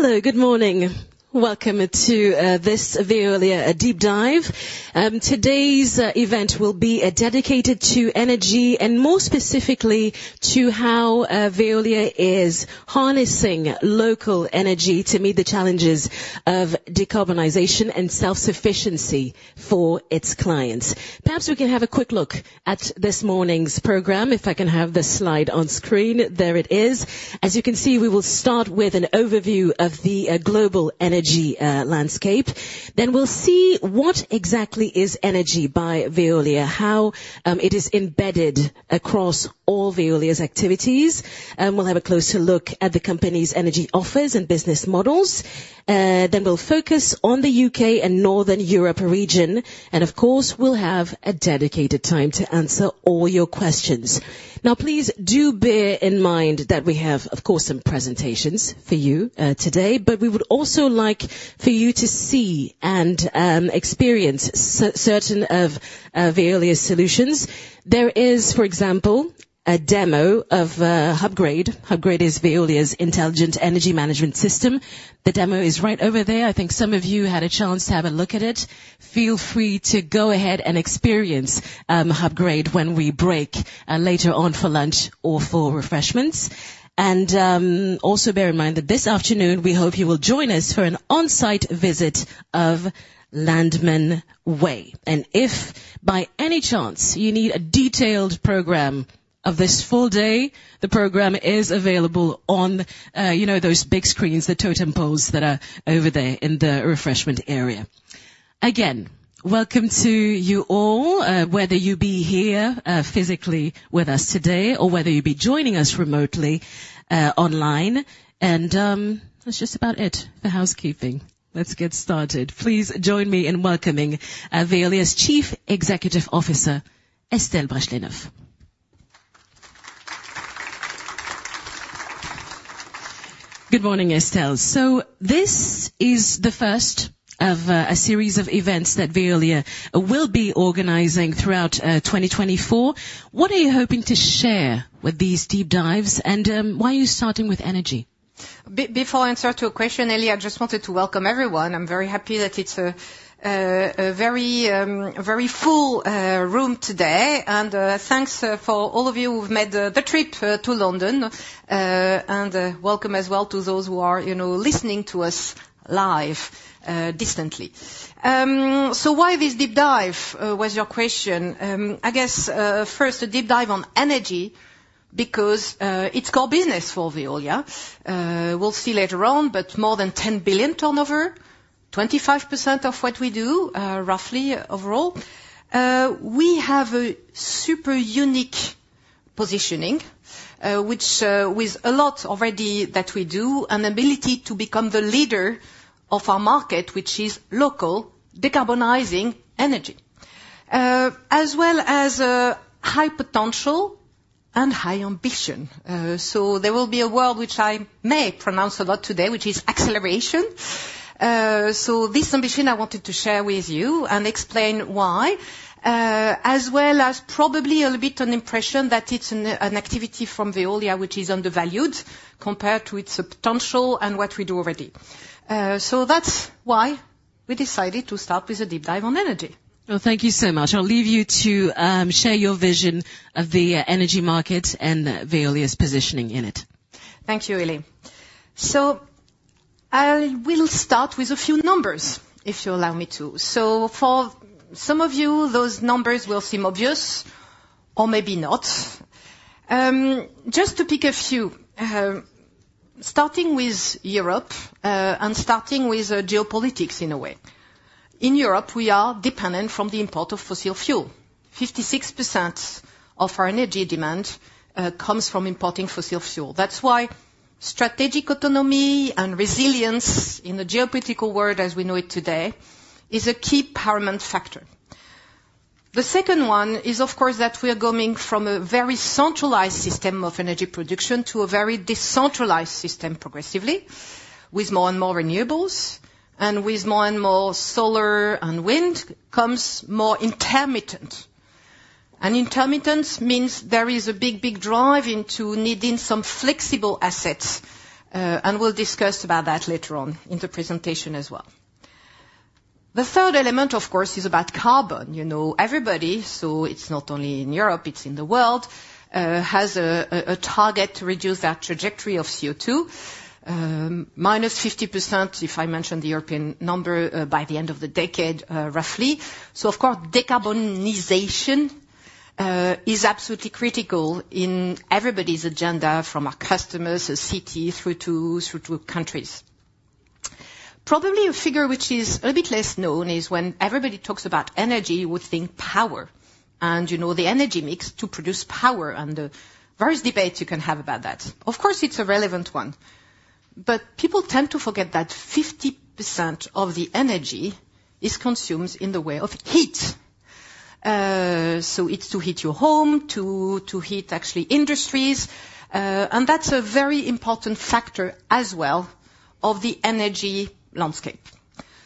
Hello, good morning. Welcome to this Veolia Deep Dive. Today's event will be dedicated to energy, and more specifically, to how Veolia is harnessing local energy to meet the challenges of decarbonization and self-sufficiency for its clients. Perhaps we can have a quick look at this morning's program, if I can have the slide on screen. There it is. As you can see, we will start with an overview of the global energy landscape. Then we'll see what exactly is energy by Veolia, how it is embedded across all Veolia's activities. We'll have a closer look at the company's energy offers and business models. Then we'll focus on the U.K. and Northern Europe region, and of course, we'll have a dedicated time to answer all your questions. Now, please do bear in mind that we have, of course, some presentations for you today, but we would also like for you to see and experience certain of Veolia's solutions. There is, for example, a demo of Hubgrade. Hubgrade is Veolia's intelligent energy management system. The demo is right over there. I think some of you had a chance to have a look at it. Feel free to go ahead and experience Hubgrade when we break later on for lunch or for refreshments. And also bear in mind that this afternoon, we hope you will join us for an on-site visit of Landmann Way. And if by any chance you need a detailed program of this full day, the program is available on, you know, those big screens, the totem poles that are over there in the refreshment area. Again, welcome to you all, whether you be here, physically with us today or whether you be joining us remotely, online. That's just about it for housekeeping. Let's get started. Please join me in welcoming Veolia's Chief Executive Officer, Estelle Brachlianoff. Good morning, Estelle. So this is the first of a series of events that Veolia will be organizing throughout 2024. What are you hoping to share with these deep dives, and why are you starting with energy? Before I answer your question, Hélie, I just wanted to welcome everyone. I'm very happy that it's a very full room today, and thanks for all of you who've made the trip to London. And welcome as well to those who are, you know, listening to us live distantly. So why this deep dive was your question. I guess first, a deep dive on energy because it's core business for Veolia. We'll see later on, but more than 10 billion turnover, 25% of what we do roughly overall. We have a super unique positioning, which with a lot already that we do, an ability to become the leader of our market, which is local decarbonizing energy. As well as a high potential and high ambition. So there will be a word which I may pronounce a lot today, which is acceleration. So this ambition I wanted to share with you and explain why, as well as probably a little bit on impression that it's an activity from Veolia, which is undervalued compared to its potential and what we do already. So that's why we decided to start with a deep dive on energy. Well, thank you so much. I'll leave you to share your vision of the energy market and Veolia's positioning in it. Thank you, Hélie. So I will start with a few numbers, if you allow me to. So for some of you, those numbers will seem obvious or maybe not. Just to pick a few, starting with Europe, and starting with, geopolitics in a way. In Europe, we are dependent from the import of fossil fuel. 56% of our energy demand comes from importing fossil fuel. That's why strategic autonomy and resilience in the geopolitical world, as we know it today, is a key paramount factor. The second one is, of course, that we are going from a very centralized system of energy production to a very decentralized system, progressively, with more and more renewables, and with more and more solar and wind comes more intermittent. Intermittent means there is a big, big drive into needing some flexible assets, and we'll discuss about that later on in the presentation as well. The third element, of course, is about carbon. You know everybody, so it's not only in Europe, it's in the world, has a target to reduce that trajectory of CO2, -50%, if I mention the European number, by the end of the decade, roughly. So of course, decarbonization is absolutely critical in everybody's agenda, from our customers, as cities through to countries. Probably a figure which is a bit less known is when everybody talks about energy, we think power, and you know, the energy mix to produce power and the various debates you can have about that. Of course, it's a relevant one, but people tend to forget that 50% of the energy is consumed in the way of heat. So it's to heat your home, to heat actually industries, and that's a very important factor as well of the energy landscape.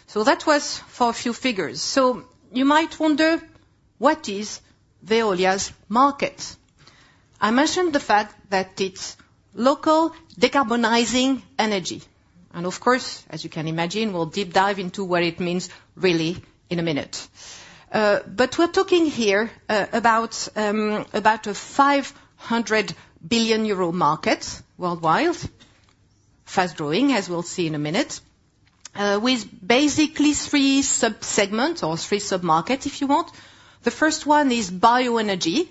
So that was for a few figures. So you might wonder, what is Veolia's market? I mentioned the fact that it's local, decarbonizing energy, and of course, as you can imagine, we'll deep dive into what it means really in a minute. But we're talking here about a 500 billion euro market worldwide. Fast-growing, as we'll see in a minute, with basically three sub-segments or three sub-markets, if you want. The first one is bioenergy,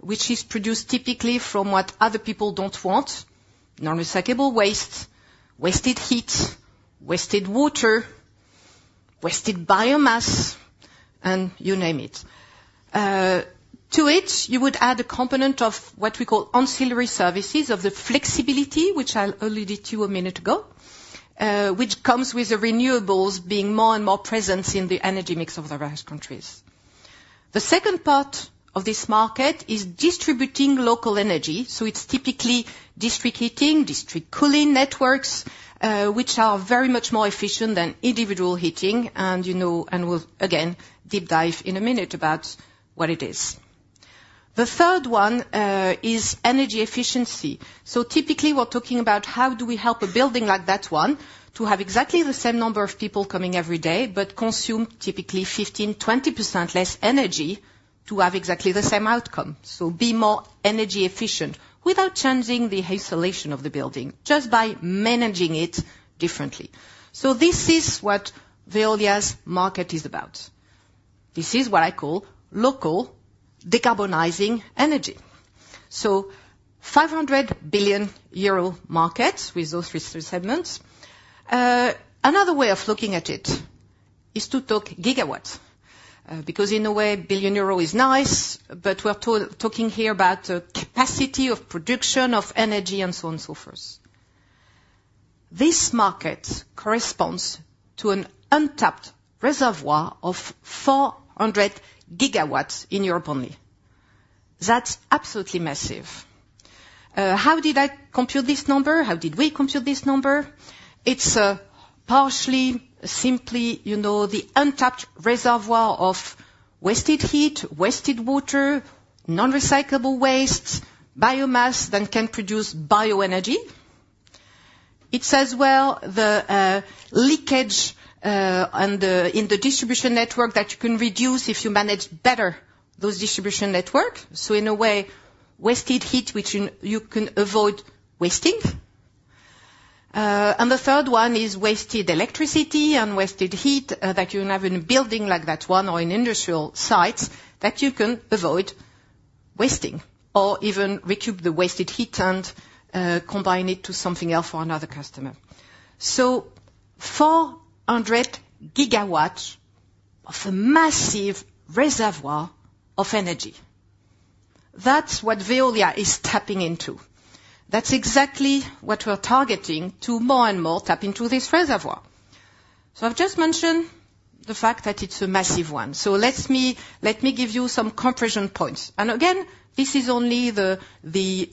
which is produced typically from what other people don't want: non-recyclable waste, wasted heat, wasted water, wasted biomass, and you name it. To it, you would add a component of what we call ancillary services, of the flexibility, which I alluded to a minute ago, which comes with the renewables being more and more present in the energy mix of the various countries. The second part of this market is distributing local energy, so it's typically district heating, district cooling networks, which are very much more efficient than individual heating. And, you know, and we'll, again, deep dive in a minute about what it is. The third one is energy efficiency. So typically, we're talking about how do we help a building like that one to have exactly the same number of people coming every day, but consume typically 15%-20% less energy to have exactly the same outcome? So be more energy efficient without changing the insulation of the building, just by managing it differently. So this is what Veolia's market is about. This is what I call local decarbonizing energy. So 500 billion euro market with those three segments. Another way of looking at it is to talk gigawatts, because in a way, billion of euro is nice, but we're talking here about the capacity of production of energy and so on and so forth. This market corresponds to an untapped reservoir of 400 GW in Europe only. That's absolutely massive. How did I compute this number? How did we compute this number? It's partially simply, you know, the untapped reservoir of wasted heat, wasted water, non-recyclable waste, biomass that can produce bioenergy. It's as well the leakage in the distribution network that you can reduce if you manage better those distribution network. So in a way, wasted heat, which you can avoid wasting. And the third one is wasted electricity and wasted heat that you have in a building like that one or in industrial sites, that you can avoid wasting or even recoup the wasted heat and combine it to something else for another customer. So 400 GW of a massive reservoir of energy. That's what Veolia is tapping into. That's exactly what we're targeting to more and more tap into this reservoir. So I've just mentioned the fact that it's a massive one. So let me, let me give you some comparison points. Again, this is only the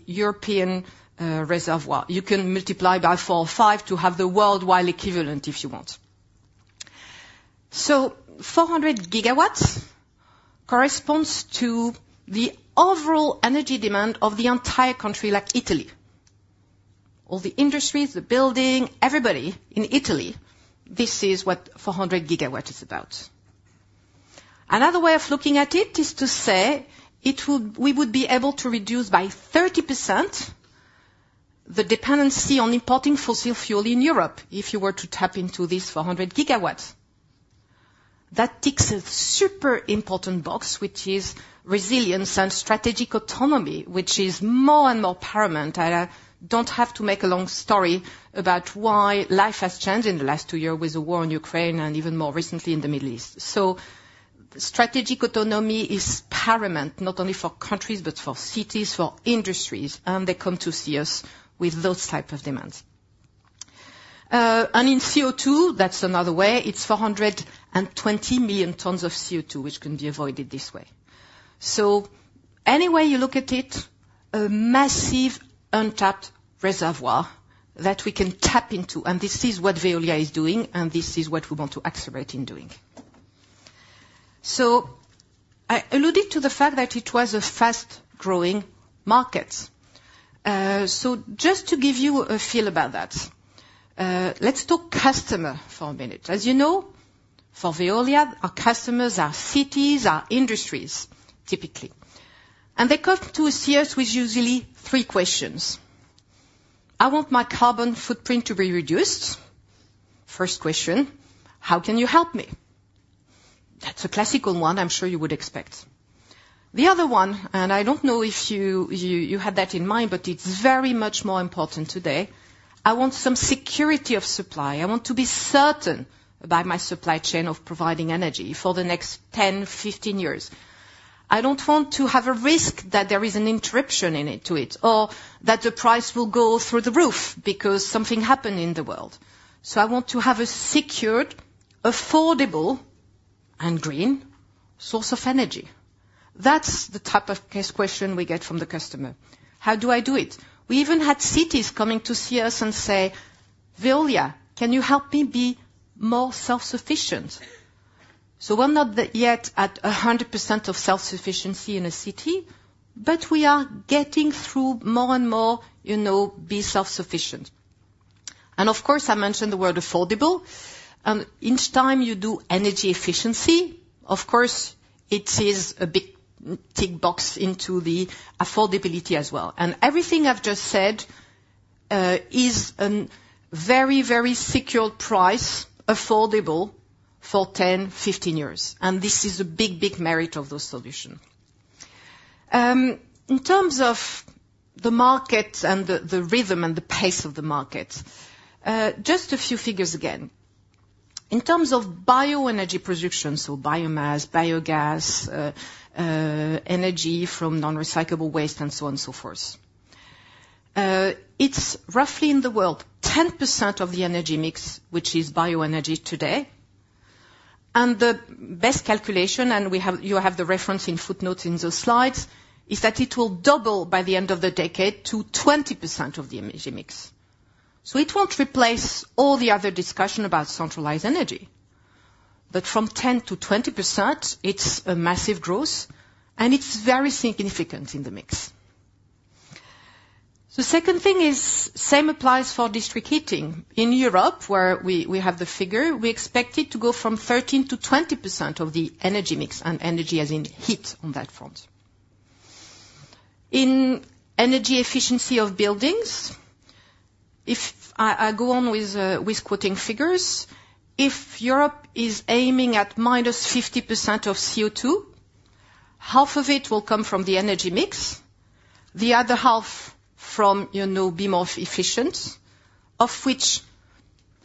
European reservoir. You can multiply by 4 or 5 to have the worldwide equivalent, if you want. So 400 GW corresponds to the overall energy demand of the entire country, like Italy. All the industries, the building, everybody in Italy, this is what 400 GW is about. Another way of looking at it is to say, we would be able to reduce by 30% the dependency on importing fossil fuel in Europe if you were to tap into this 400 GW. That ticks a super important box, which is resilience and strategic autonomy, which is more and more paramount. I don't have to make a long story about why life has changed in the last two years with the war in Ukraine and even more recently in the Middle East. Strategic autonomy is paramount, not only for countries, but for cities, for industries, and they come to see us with those type of demands. In CO2, that's another way. It's 420 million tons of CO2, which can be avoided this way. Any way you look at it, a massive, untapped reservoir that we can tap into, and this is what Veolia is doing, and this is what we want to accelerate in doing. I alluded to the fact that it was a fast-growing market. Just to give you a feel about that, let's talk customer for a minute. As you know, for Veolia, our customers are cities, are industries, typically. They come to see us with usually three questions: I want my carbon footprint to be reduced. First question: How can you help me? That's a classical one I'm sure you would expect. The other one, and I don't know if you had that in mind, but it's very much more important today: I want some security of supply. I want to be certain about my supply chain of providing energy for the next 10, 15 years. I don't want to have a risk that there is an interruption in it, to it, or that the price will go through the roof because something happened in the world. So I want to have a secured, affordable... and green source of energy? That's the type of question we get from the customer: how do I do it? We even had cities coming to see us and say, "Veolia, can you help me be more self-sufficient?" So we're not yet at 100% of self-sufficiency in a city, but we are getting through more and more, you know, be self-sufficient. And of course, I mentioned the word affordable. Each time you do energy efficiency, of course, it is a big tick box into the affordability as well. And everything I've just said is a very, very secured price, affordable for 10, 15 years, and this is a big, big merit of the solution. In terms of the market and the rhythm and the pace of the market, just a few figures again. In terms of bioenergy production, so biomass, biogas, energy from non-recyclable waste, and so on and so forth. It's roughly in the world, 10% of the energy mix, which is bioenergy today. And the best calculation, and we have—you have the reference in footnotes in those slides, is that it will double by the end of the decade to 20% of the energy mix. So it won't replace all the other discussion about centralized energy, but from 10% to 20%, it's a massive growth, and it's very significant in the mix. The second thing is, same applies for district heating. In Europe, where we, we have the figure, we expect it to go from 13% to 20% of the energy mix and energy as in heat on that front. In energy efficiency of buildings, if I go on with quoting figures, if Europe is aiming at -50% of CO2, half of it will come from the energy mix, the other half from, you know, being more efficient, of which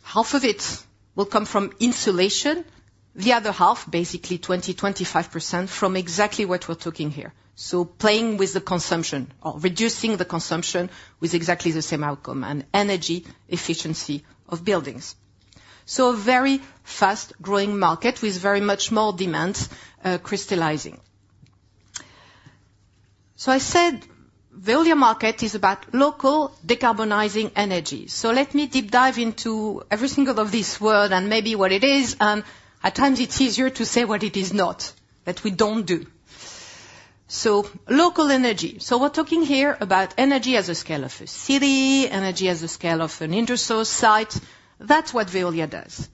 half of it will come from insulation, the other half, basically 25% from exactly what we're talking here. So playing with the consumption or reducing the consumption with exactly the same outcome and energy efficiency of buildings. So a very fast-growing market with very much more demands, crystallizing. So I said, Veolia market is about local decarbonizing energy. So let me deep dive into every single of this world and maybe what it is, and at times it's easier to say what it is not, that we don't do. So local energy. So we're talking here about energy as a scale of a city, energy as a scale of an industrial site. That's what Veolia does.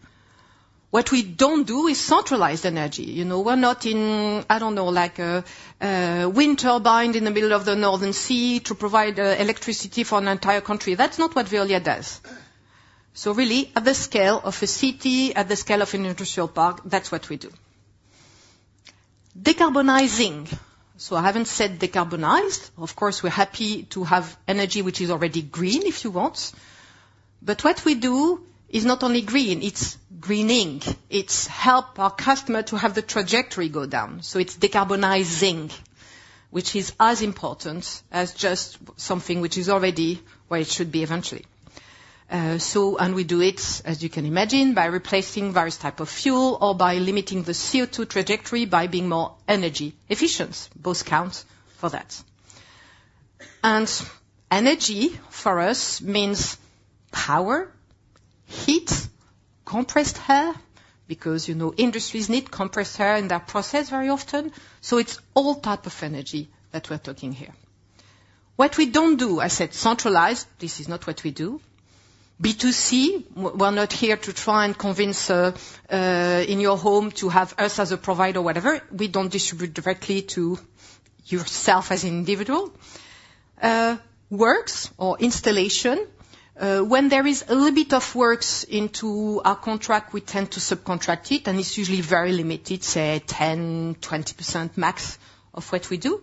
What we don't do is centralize energy. You know, we're not in, I don't know, like a, a wind turbine in the middle of the North Sea to provide electricity for an entire country. That's not what Veolia does. So really, at the scale of a city, at the scale of an industrial park, that's what we do. Decarbonizing. So I haven't said decarbonize. Of course, we're happy to have energy, which is already green, if you want. But what we do is not only green, it's greening. It's help our customer to have the trajectory go down. So it's decarbonizing, which is as important as just something which is already where it should be eventually. We do it, as you can imagine, by replacing various type of fuel or by limiting the CO2 trajectory, by being more energy efficient. Both count for that. Energy, for us, means power, heat, compressed air, because, you know, industries need compressed air in their process very often. It's all type of energy that we're talking here. What we don't do, I said, centralize, this is not what we do. B2C, we're not here to try and convince in your home to have us as a provider, whatever. We don't distribute directly to yourself as an individual. Works or installation. When there is a little bit of works into our contract, we tend to subcontract it, and it's usually very limited, say 10%, 20% max of what we do.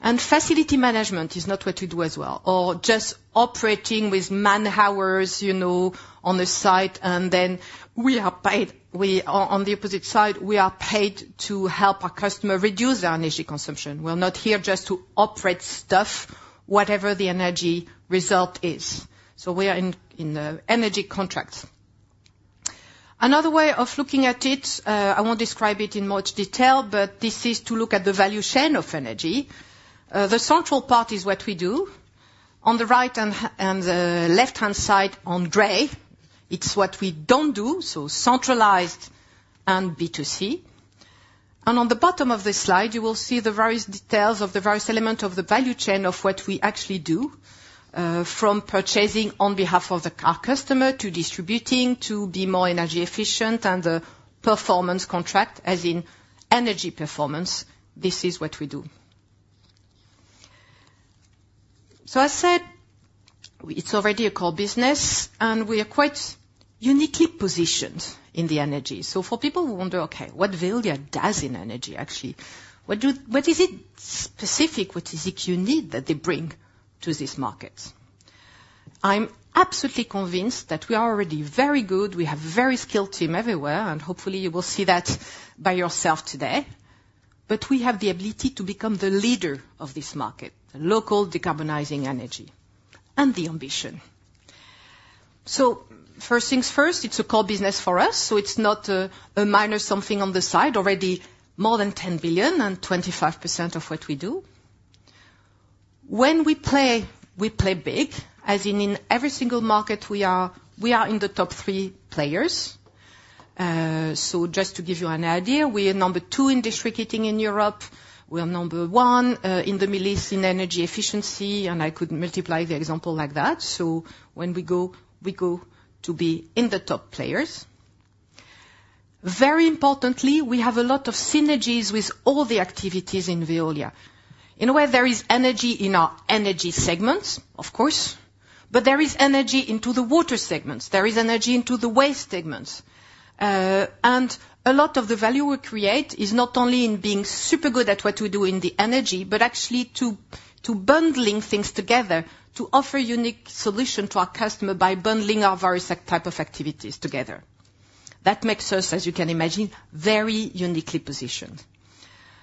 Facility management is not what we do as well, or just operating with manhours, you know, on the site, and then we are paid. We are on the opposite side, we are paid to help our customer reduce their energy consumption. We're not here just to operate stuff, whatever the energy result is. So we are in energy contracts. Another way of looking at it, I won't describe it in much detail, but this is to look at the value chain of energy. The central part is what we do. On the right and the left-hand side on gray, it's what we don't do, so centralized and B2C. On the bottom of this slide, you will see the various details of the various element of the value chain of what we actually do, from purchasing on behalf of our customer, to distributing, to be more energy efficient and the performance contract, as in energy performance. This is what we do. So I said it's already a core business, and we are quite uniquely positioned in the energy. So for people who wonder, "Okay, what Veolia does in energy, actually? What is it specific, what is it unique that they bring to this market?" I'm absolutely convinced that we are already very good. We have very skilled team everywhere, and hopefully, you will see that by yourself today. But we have the ability to become the leader of this market, the local decarbonizing energy, and the ambition. So first things first, it's a core business for us, so it's not a minor something on the side. Already more than 10 billion and 25% of what we do. When we play, we play big, as in, in every single market we are, we are in the top three players. So just to give you an idea, we are number two in district heating in Europe. We are number one in the Middle East in energy efficiency, and I could multiply the example like that. So when we go, we go to be in the top players. Very importantly, we have a lot of synergies with all the activities in Veolia. In a way, there is energy in our energy segments, of course, but there is energy into the water segments, there is energy into the waste segments. And a lot of the value we create is not only in being super good at what we do in the energy, but actually to bundling things together to offer unique solution to our customer by bundling our various type of activities together. That makes us, as you can imagine, very uniquely positioned.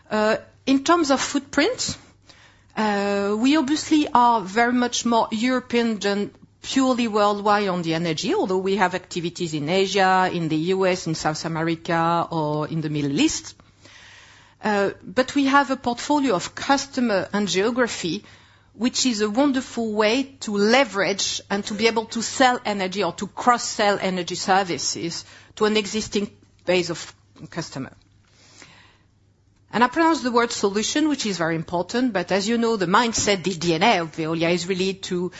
In terms of footprint, we obviously are very much more European than purely worldwide on the energy, although we have activities in Asia, in the US, in South America, or in the Middle East. But we have a portfolio of customer and geography, which is a wonderful way to leverage and to be able to sell energy or to cross-sell energy services to an existing base of customer. I pronounce the word solution, which is very important, but as you know, the mindset, the DNA of Veolia, is really to: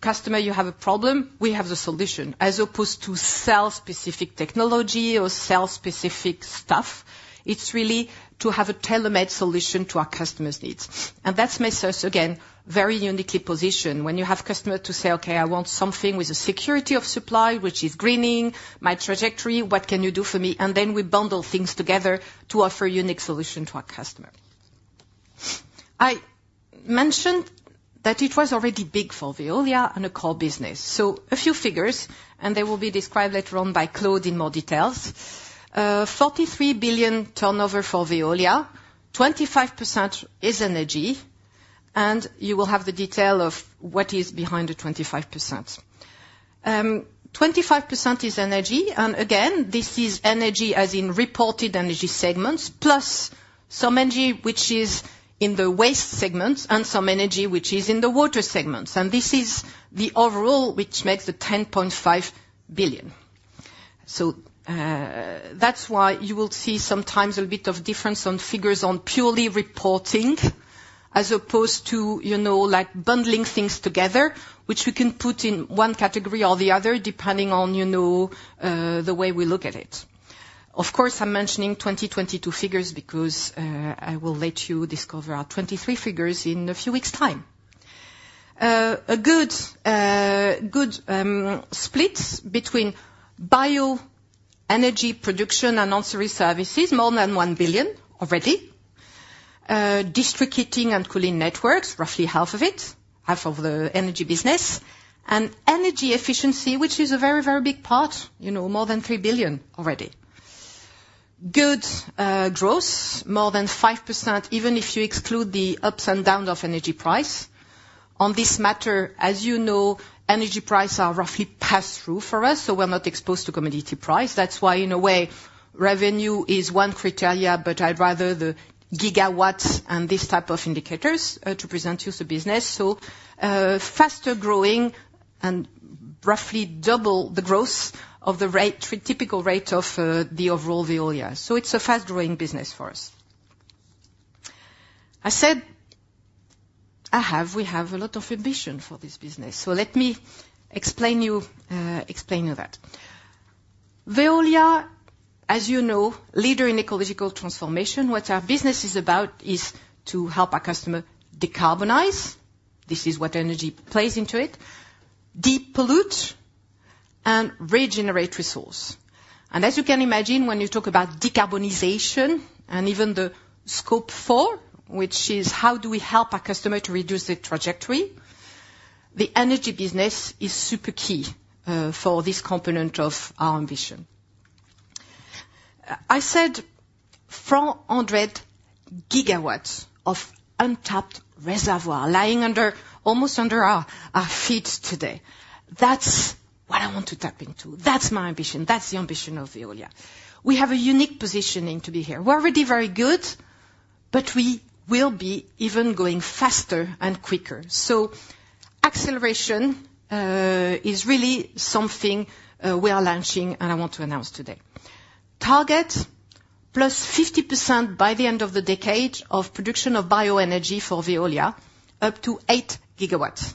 Customer, you have a problem, we have the solution. As opposed to sell specific technology or sell specific stuff, it's really to have a tailor-made solution to our customer's needs. That makes us, again, very uniquely positioned. When you have customer to say, "Okay, I want something with a security of supply, which is greening my trajectory, what can you do for me?" Then we bundle things together to offer unique solution to our customer. I mentioned that it was already big for Veolia and a core business. So a few figures, and they will be described later on by Claude in more details. 43 billion turnover for Veolia, 25% is energy, and you will have the detail of what is behind the 25%. 25% is energy, and again, this is energy as in reported energy segments, plus some energy which is in the waste segments, and some energy which is in the water segments. This is the overall, which makes the 10.5 billion. So, that's why you will see sometimes a bit of difference on figures on purely reporting, as opposed to, you know, like bundling things together, which we can put in one category or the other, depending on, you know, the way we look at it. Of course, I'm mentioning 2022 figures because, I will let you discover our 2023 figures in a few weeks' time. A good split between bioenergy production and ancillary services, more than 1 billion already. District heating and cooling networks, roughly half of it, half of the energy business. And energy efficiency, which is a very, very big part, you know, more than 3 billion already. Good growth, more than 5%, even if you exclude the ups and downs of energy price. On this matter, as you know, energy prices are roughly pass-through for us, so we're not exposed to commodity price. That's why, in a way, revenue is one criteria, but I'd rather the gigawatts and these type of indicators to present to you the business. So, faster growing and roughly double the growth of the rate, typical rate of the overall Veolia. So it's a fast-growing business for us. I said I have, we have a lot of ambition for this business, so let me explain you that. Veolia, as you know, leader in ecological transformation, what our business is about is to help our customer decarbonize, this is what energy plays into it, depollute, and regenerate resource. And as you can imagine, when you talk about decarbonization and even the Scope 4, which is how do we help our customer to reduce their trajectory? The energy business is super key for this component of our ambition. I said 400 GW of untapped reservoir lying under, almost under our, our feet today. That's what I want to tap into. That's my ambition. That's the ambition of Veolia. We have a unique positioning to be here. We're already very good, but we will be even going faster and quicker. So acceleration is really something we are launching and I want to announce today. Target, +50% by the end of the decade of production of bioenergy for Veolia, up to 8 GW.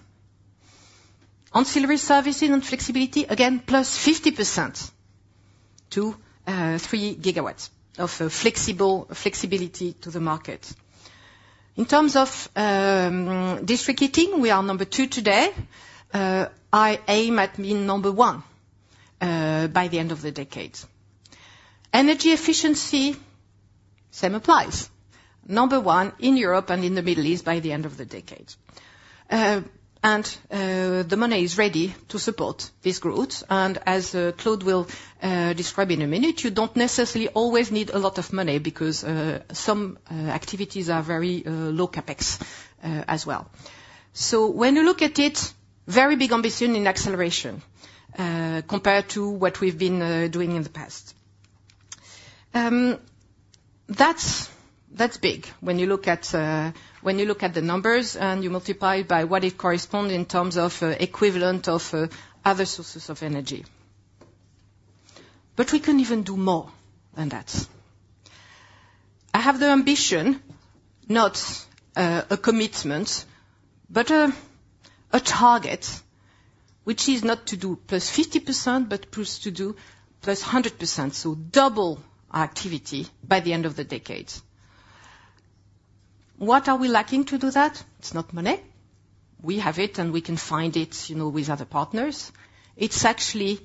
Ancillary services and flexibility, again, +50% to 3 GW of flexible flexibility to the market. In terms of district heating, we are number two today. I aim at being number one by the end of the decade. Energy efficiency same applies. Number one in Europe and in the Middle East by the end of the decade. And the money is ready to support this growth, and as Claude will describe in a minute, you don't necessarily always need a lot of money because some activities are very low CapEx as well. So when you look at it, very big ambition in acceleration, compared to what we've been doing in the past.... That's, that's big. When you look at, when you look at the numbers, and you multiply by what it correspond in terms of, equivalent of, other sources of energy. But we can even do more than that. I have the ambition, not, a commitment, but a, a target, which is not to do +50%, but plus to do +100%, so double our activity by the end of the decade. What are we lacking to do that? It's not money. We have it, and we can find it, you know, with other partners. It's actually,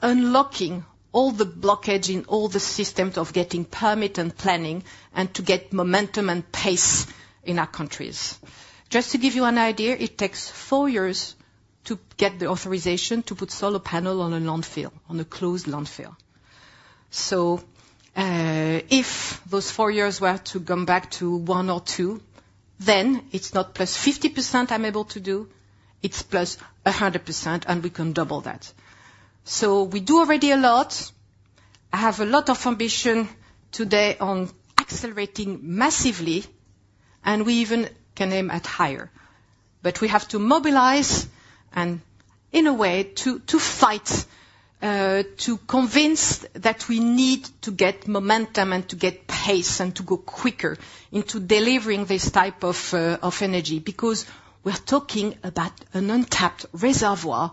unlocking all the blockage in all the systems of getting permit and planning, and to get momentum and pace in our countries. Just to give you an idea, it takes four years to get the authorization to put solar panel on a landfill, on a closed landfill. So, if those four years were to come back to one or two, then it's not +50% I'm able to do, it's+100%, and we can double that. So we do already a lot. I have a lot of ambition today on accelerating massively, and we even can aim at higher. But we have to mobilize and, in a way, to fight, to convince that we need to get momentum and to get pace, and to go quicker into delivering this type of, of energy, because we're talking about an untapped reservoir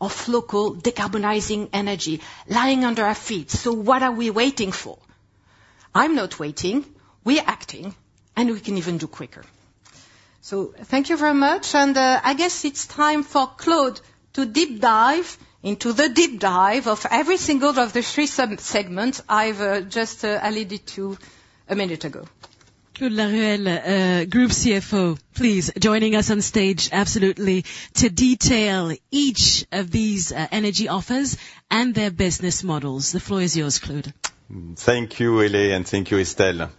of local decarbonizing energy lying under our feet. So what are we waiting for? I'm not waiting. We're acting, and we can even do quicker. So thank you very much, and, I guess it's time for Claude to deep dive into the deep dive of every single of the three sub-segments I've just alluded to a minute ago. Claude Laruelle, Group CFO, please, joining us on stage absolutely to detail each of these, energy offers and their business models. The floor is yours, Claude. Thank you, Hélie, and thank you, Estelle.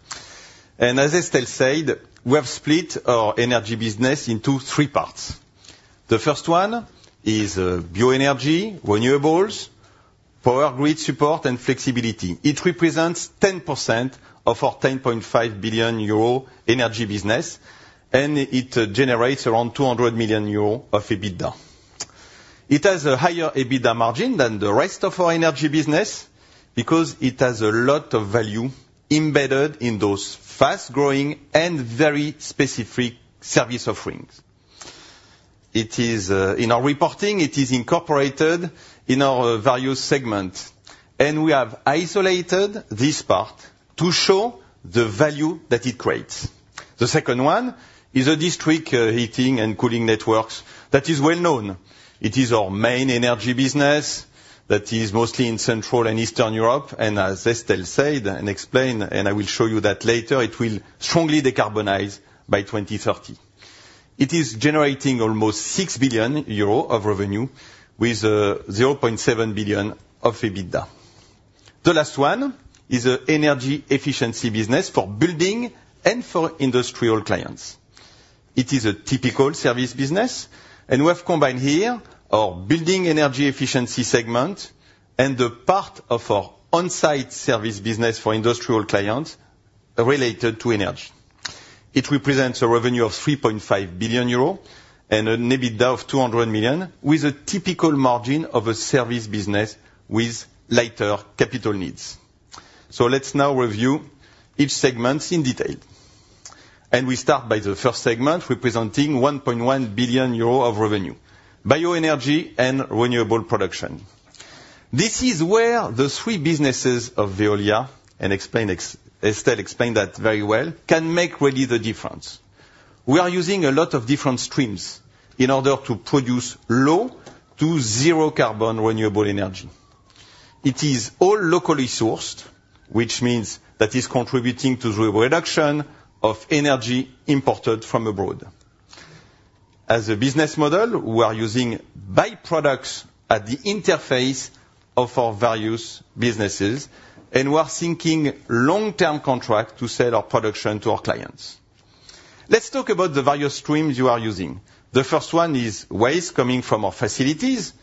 And as Estelle said, we have split our energy business into three parts. The first one is bioenergy, renewables, power grid support, and flexibility. It represents 10% of our 10.5 billion euro energy business, and it generates around 200 million euro of EBITDA. It has a higher EBITDA margin than the rest of our energy business because it has a lot of value embedded in those fast-growing and very specific service offerings. It is, in our reporting, it is incorporated in our value segment, and we have isolated this part to show the value that it creates. The second one is a district heating and cooling networks. That is well known. It is our main energy business that is mostly in Central and Eastern Europe, and as Estelle said and explained, and I will show you that later, it will strongly decarbonize by 2030. It is generating almost 6 billion euro of revenue with 0.7 billion of EBITDA. The last one is an energy efficiency business for building and for industrial clients. It is a typical service business, and we have combined here our building energy efficiency segment and the part of our on-site service business for industrial clients related to energy. It represents a revenue of 3.5 billion euro and an EBITDA of 200 million, with a typical margin of a service business with lighter capital needs. So let's now review each segment in detail, and we start by the first segment, representing 1.1 billion euro of revenue: bioenergy and renewable production. This is where the three businesses of Veolia, Estelle explained that very well, can make really the difference. We are using a lot of different streams in order to produce low to zero carbon renewable energy. It is all locally sourced, which means that it's contributing to the reduction of energy imported from abroad. As a business model, we are using byproducts at the interface of our various businesses, and we are seeking long-term contract to sell our production to our clients. Let's talk about the various streams you are using. The first one is waste coming from our facilities,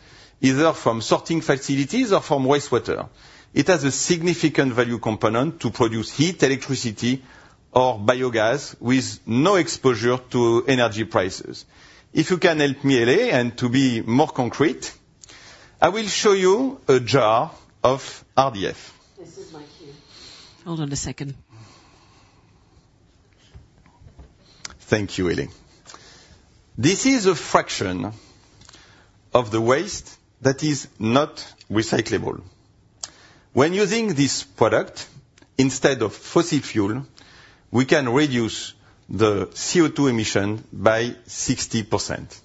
either from sorting facilities or from wastewater.It has a significant value component to produce heat, electricity, or biogas with no exposure to energy prices. If you can help me, Hélie, and to be more concrete, I will show you a jar of RDF. This is my cue. Hold on a second. Thank you, Hélie. This is a fraction of the waste that is not recyclable. When using this product, instead of fossil fuel, we can reduce the CO2 emission by 60%,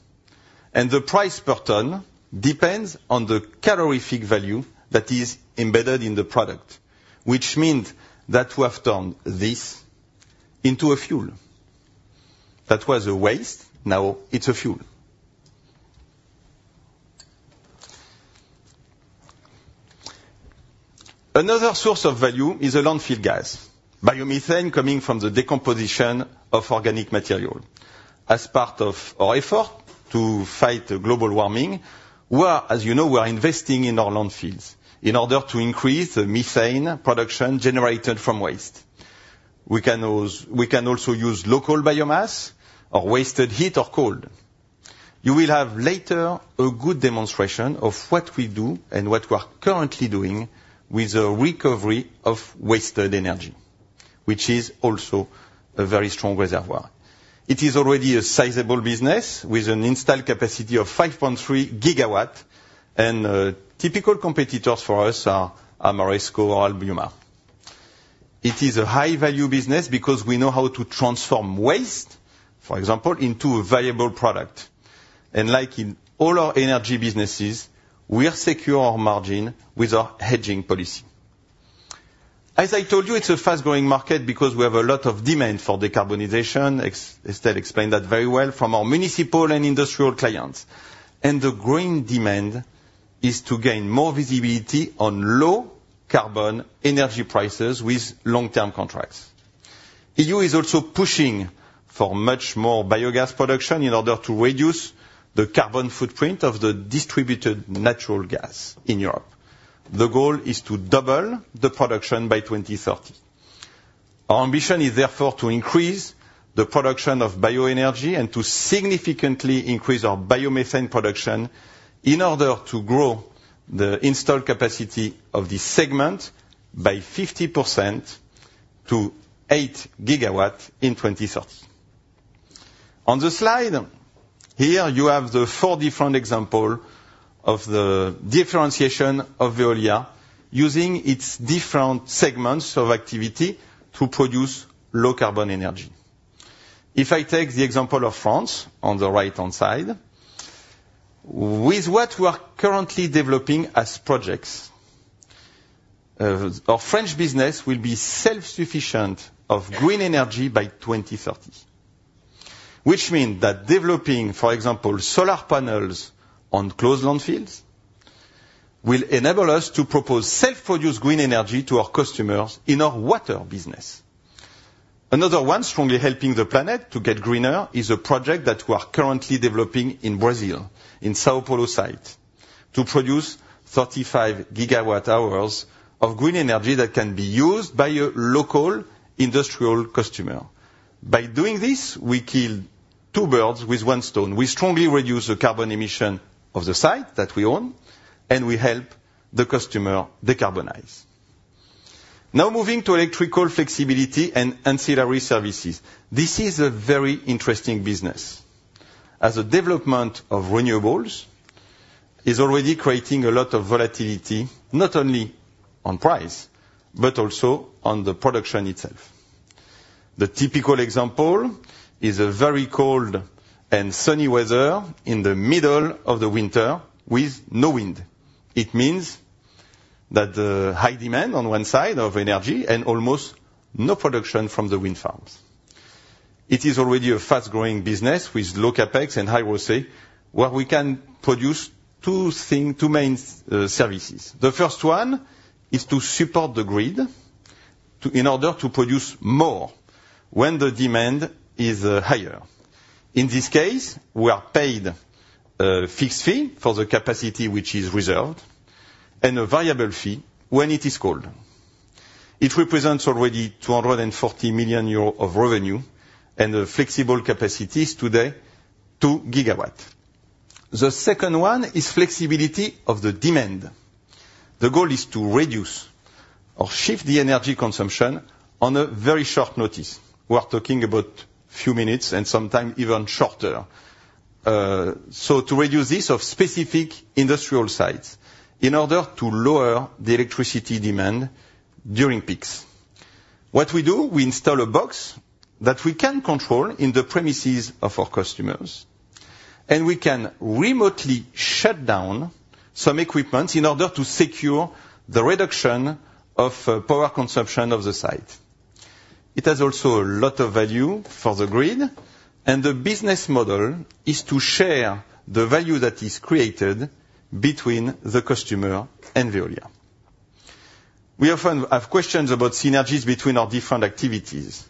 and the price per ton depends on the calorific value that is embedded in the product, which means that we have turned this into a fuel. That was a waste, now it's a fuel. Another source of value is the landfill gas, biomethane coming from the decomposition of organic material. As part of our effort to fight global warming, we are, as you know, we are investing in our landfills in order to increase the methane production generated from waste. We can also, we can also use local biomass or waste heat or cold. You will have later a good demonstration of what we do and what we are currently doing with the recovery of wasted energy, which is also a very strong reservoir. It is already a sizable business, with an installed capacity of 5.3 GW, and typical competitors for us are Ameresco or Albioma. It is a high-value business because we know how to transform waste, for example, into a valuable product. And like in all our energy businesses, we secure our margin with our hedging policy. As I told you, it's a fast-growing market because we have a lot of demand for decarbonization. Estelle explained that very well from our municipal and industrial clients. And the growing demand is to gain more visibility on low-carbon energy prices with long-term contracts. EU is also pushing for much more biogas production in order to reduce the carbon footprint of the distributed natural gas in Europe. The goal is to double the production by 2030. Our ambition is therefore to increase the production of bioenergy and to significantly increase our biomethane production in order to grow the installed capacity of this segment by 50% to 8 GW in 2030. On the slide, here you have the four different example of the differentiation of Veolia using its different segments of activity to produce low-carbon energy. If I take the example of France, on the right-hand side, with what we are currently developing as projects, our French business will be self-sufficient of green energy by 2030. Which means that developing, for example, solar panels on closed landfills, will enable us to propose self-produced green energy to our customers in our water business. Another one strongly helping the planet to get greener is a project that we are currently developing in Brazil, in São Paulo site, to produce 35 GWh of green energy that can be used by a local industrial customer. By doing this, we kill two birds with one stone. We strongly reduce the carbon emission of the site that we own, and we help the customer decarbonize. Now, moving to electrical flexibility and ancillary services. This is a very interesting business, as the development of renewables is already creating a lot of volatility, not only on price, but also on the production itself. The typical example is a very cold and sunny weather in the middle of the winter with no wind. It means that, high demand on one side of energy and almost no production from the wind farms. It is already a fast-growing business with low CapEx and high ROCE, where we can produce two things, two main services. The first one is to support the grid to, in order to produce more when the demand is, higher. In this case, we are paid a fixed fee for the capacity which is reserved, and a variable fee when it is cold. It represents already 240 million euros of revenue, and the flexible capacity is today 2 GW. The second one is flexibility of the demand. The goal is to reduce or shift the energy consumption on a very short notice. We are talking about few minutes and sometimes even shorter. So to reduce this of specific industrial sites in order to lower the electricity demand during peaks. What we do, we install a box that we can control in the premises of our customers, and we can remotely shut down some equipment in order to secure the reduction of power consumption of the site. It has also a lot of value for the grid, and the business model is to share the value that is created between the customer and Veolia. We often have questions about synergies between our different activities,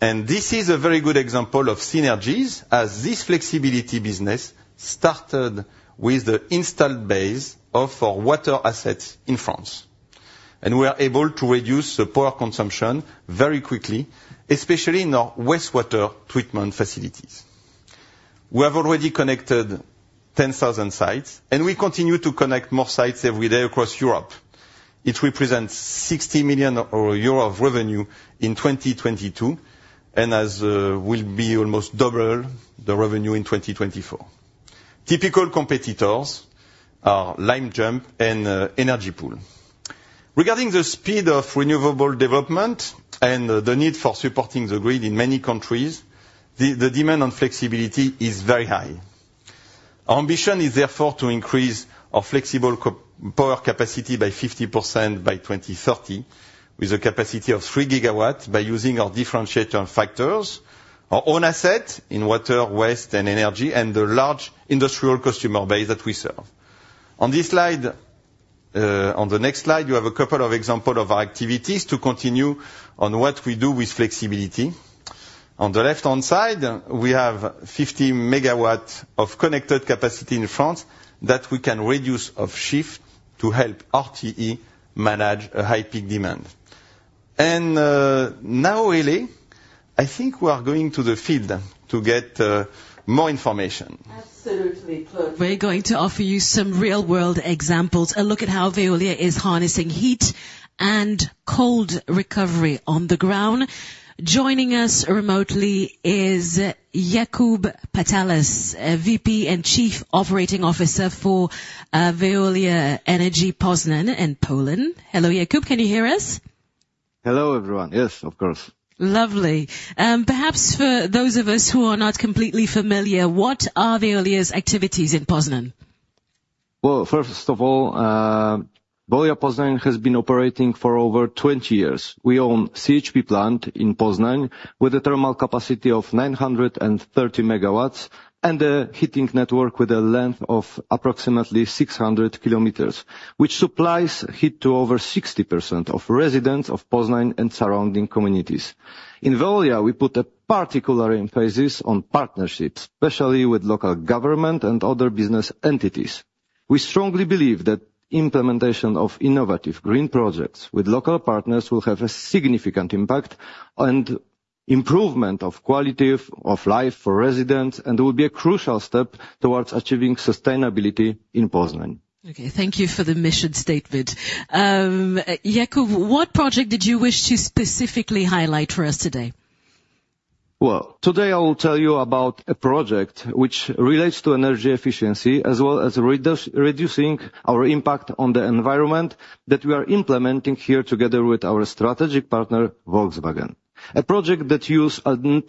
and this is a very good example of synergies, as this flexibility business started with the installed base of our water assets in France. We are able to reduce the power consumption very quickly, especially in our wastewater treatment facilities. We have already connected 10,000 sites, and we continue to connect more sites every day across Europe. It represents 60 million euro of revenue in 2022, and as will be almost double the revenue in 2024. Typical competitors are Limejump and Energy Pool. Regarding the speed of renewable development and the need for supporting the grid in many countries, the demand on flexibility is very high. Our ambition is therefore to increase our flexible capacity by 50% by 2030, with a capacity of 3 GW, by using our differentiator factors, our own asset in water, waste and energy, and the large industrial customer base that we serve. On this slide, on the next slide, you have a couple of examples of our activities to continue on what we do with flexibility. On the left-hand side, we have 50 MW of connected capacity in France that we can reduce or shift to help RTE manage a high peak demand. Now, Hélie, I think we are going to the field to get more information. Absolutely, Claude. We're going to offer you some real-world examples, a look at how Veolia is harnessing heat and cold recovery on the ground. Joining us remotely is Jakub Patalas, VP and Chief Operating Officer for Veolia Energy Poznań in Poland. Hello, Jakub, can you hear us? Hello, everyone. Yes, of course. Lovely. Perhaps for those of us who are not completely familiar, what are Veolia's activities in Poznań? Well, first of all, Veolia Poznań has been operating for over 20 years. We own CHP plant in Poznań, with a thermal capacity of 930 MW, and a heating network with a length of approximately 600 km, which supplies heat to over 60% of residents of Poznań and surrounding communities. In Veolia, we put a particular emphasis on partnerships, especially with local government and other business entities. We strongly believe that implementation of innovative green projects with local partners will have a significant impact and improvement of quality of life for residents, and will be a crucial step towards achieving sustainability in Poznań. Okay, thank you for the mission statement. Jakub, what project did you wish to specifically highlight for us today? Well, today I will tell you about a project which relates to energy efficiency, as well as reducing our impact on the environment, that we are implementing here together with our strategic partner, Volkswagen. A project that use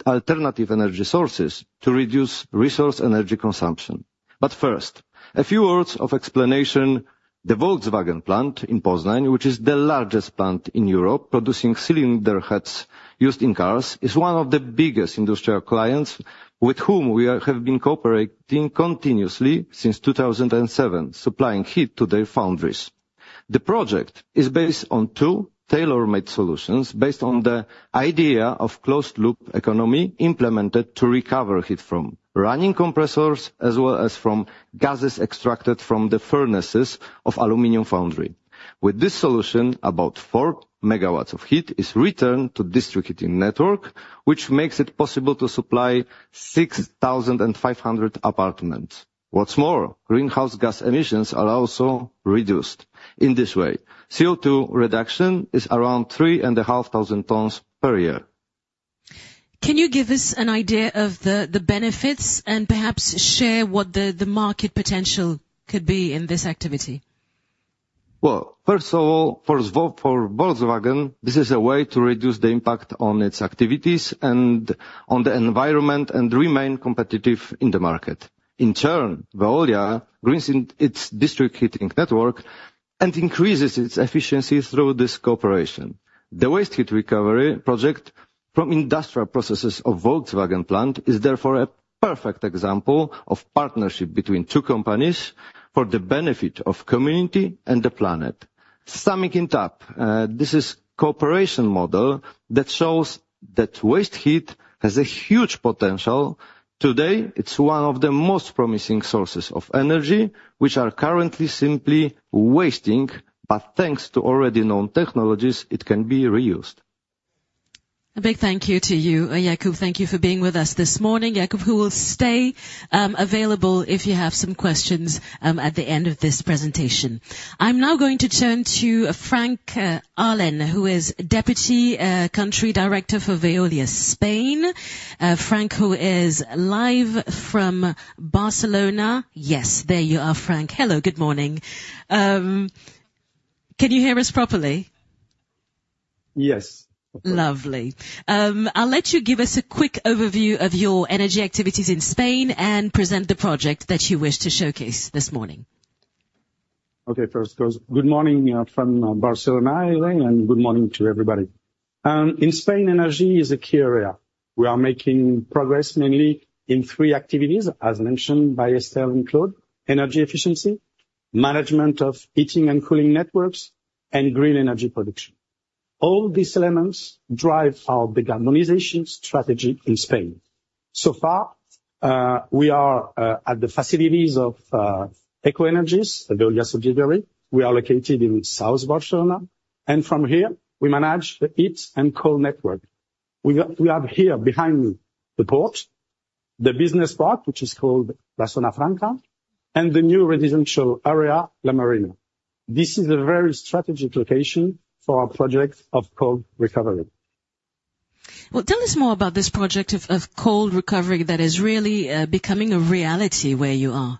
alternative energy sources to reduce resource energy consumption. But first, a few words of explanation: the Volkswagen plant in Poznań, which is the largest plant in Europe, producing cylinder heads used in cars, is one of the biggest industrial clients with whom we are, have been cooperating continuously since 2007, supplying heat to their foundries. The project is based on two tailor-made solutions, based on the idea of closed-loop economy, implemented to recover heat from running compressors, as well as from gases extracted from the furnaces of aluminum foundry. With this solution, about 4 MW of heat is returned to distributing network, which makes it possible to supply 6,500 apartments. What's more, greenhouse gas emissions are also reduced. In this way, CO2 reduction is around 3,500 tons per year. Can you give us an idea of the benefits and perhaps share what the market potential could be in this activity? Well, first of all, for Volkswagen, this is a way to reduce the impact on its activities and on the environment and remain competitive in the market. In turn, Veolia greens its district heating network and increases its efficiency through this cooperation. The waste heat recovery project from industrial processes of Volkswagen plant is therefore a perfect example of partnership between two companies for the benefit of community and the planet. Summing it up, this is cooperation model that shows that waste heat has a huge potential. Today, it's one of the most promising sources of energy, which are currently simply wasting, but thanks to already known technologies, it can be reused. A big thank you to you, Jakub. Thank you for being with us this morning. Jakub, who will stay, available if you have some questions, at the end of this presentation. I'm now going to turn to Franck Arlen, who is Deputy Country Director for Veolia, Spain. Franck, who is live from Barcelona. Yes, there you are, Franck. Hello, good morning. Can you hear us properly? Yes. Lovely. I'll let you give us a quick overview of your energy activities in Spain and present the project that you wish to showcase this morning. Okay. First, of course, good morning from Barcelona, Hélie, and good morning to everybody. In Spain, energy is a key area. We are making progress, mainly in three activities, as mentioned by Estelle and Claude: energy efficiency, management of heating and cooling networks, and green energy production. All these elements drive our decarbonization strategy in Spain. So far, we are at the facilities of Ecoenergies, Veolia subsidiary. We are located in South Barcelona, and from here, we manage the heat and cold network. We have here behind me the port, the business park, which is called Barcelona Franca, and the new residential area, La Marina. This is a very strategic location for our project of cold recovery. Well, tell us more about this project of cold recovery that is really becoming a reality where you are.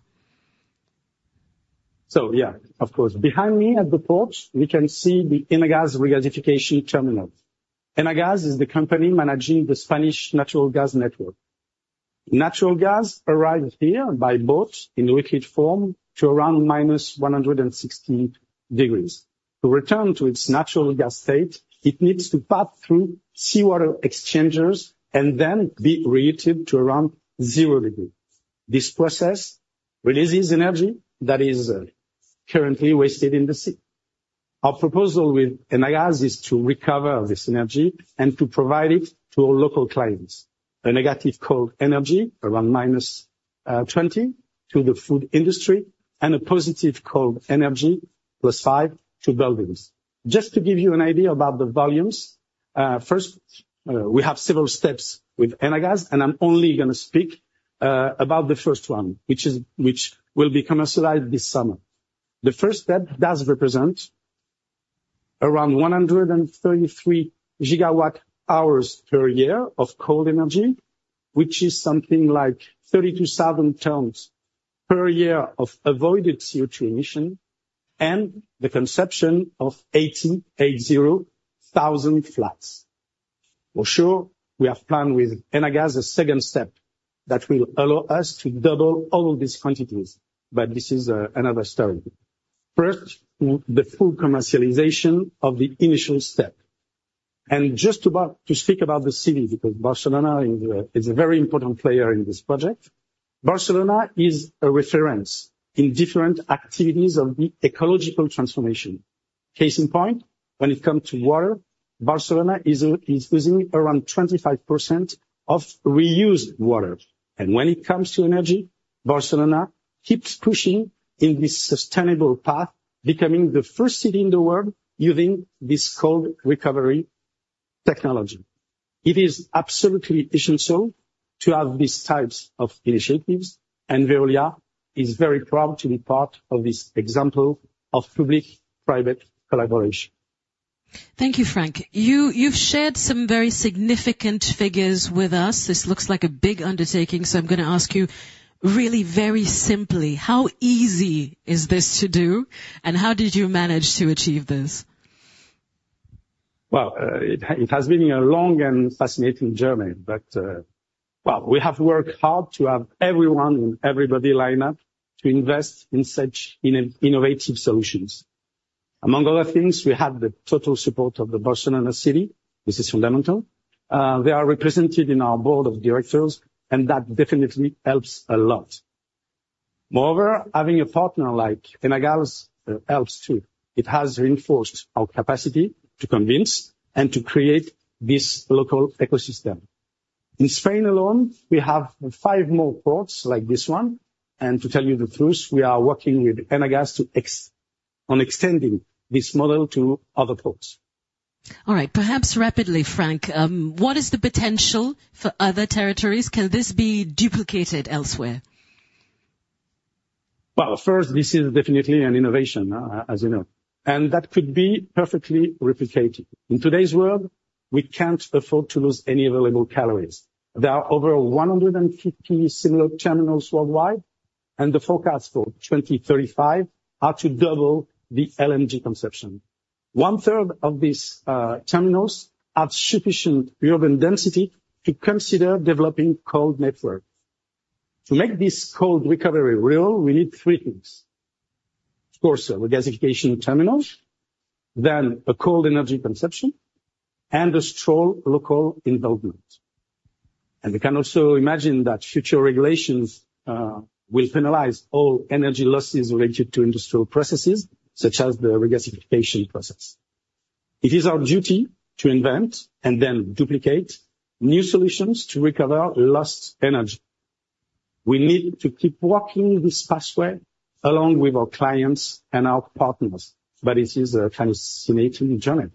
So yeah, of course. Behind me at the port, we can see the Enagás regasification terminal. Enagás is the company managing the Spanish natural gas network. Natural gas arrives here by boat in liquid form to around -160 degrees. To return to its natural gas state, it needs to pass through seawater exchangers and then be reheated to around 0 degrees. This process releases energy that is currently wasted in the sea. Our proposal with Enagás is to recover this energy and to provide it to our local clients: a negative cold energy, around -20, to the food industry, and a positive cold energy, +5, to buildings. Just to give you an idea about the volumes, first, we have several steps with Enagás, and I'm only gonna speak about the first one, which is- which will be commercialized this summer. The first step does represent around 133 GWh per year of cold energy, which is something like 32,000 tons per year of avoided CO2 emission, and the consumption of 88,000 flats. For sure, we have planned with Enagás a second step that will allow us to double all of these quantities, but this is another story. First, the full commercialization of the initial step. Just about to speak about the city, because Barcelona is a very important player in this project. Barcelona is a reference in different activities of the ecological transformation. Case in point, when it comes to water, Barcelona is using around 25% of reused water. And when it comes to energy, Barcelona keeps pushing in this sustainable path, becoming the first city in the world using this cold recovery technology. It is absolutely essential to have these types of initiatives, and Veolia is very proud to be part of this example of public-private collaboration. Thank you, Franck. You've shared some very significant figures with us. This looks like a big undertaking, so I'm gonna ask you really very simply, how easy is this to do, and how did you manage to achieve this? Well, it has been a long and fascinating journey, but, well, we have worked hard to have everyone and everybody line up to invest in such innovative solutions. Among other things, we have the total support of the Barcelona City. This is fundamental. They are represented in our board of directors, and that definitely helps a lot. Moreover, having a partner like Enagás helps, too. It has reinforced our capacity to convince and to create this local ecosystem. In Spain alone, we have five more ports like this one, and to tell you the truth, we are working with Enagás on extending this model to other ports. All right. Perhaps rapidly, Franck, what is the potential for other territories? Can this be duplicated elsewhere? Well, first, this is definitely an innovation, as you know, and that could be perfectly replicated. In today's world, we can't afford to lose any available calories. There are over 150 similar terminals worldwide, and the forecast for 2035 are to double the LNG consumption. One third of these terminals have sufficient urban density to consider developing cold network. To make this cold recovery real, we need three things: of course, a regasification terminal, then a cold energy consumption, and a strong local involvement. And we can also imagine that future regulations will penalize all energy losses related to industrial processes, such as the regasification process. It is our duty to invent and then duplicate new solutions to recover lost energy. We need to keep walking this pathway along with our clients and our partners, but it is a fascinating journey.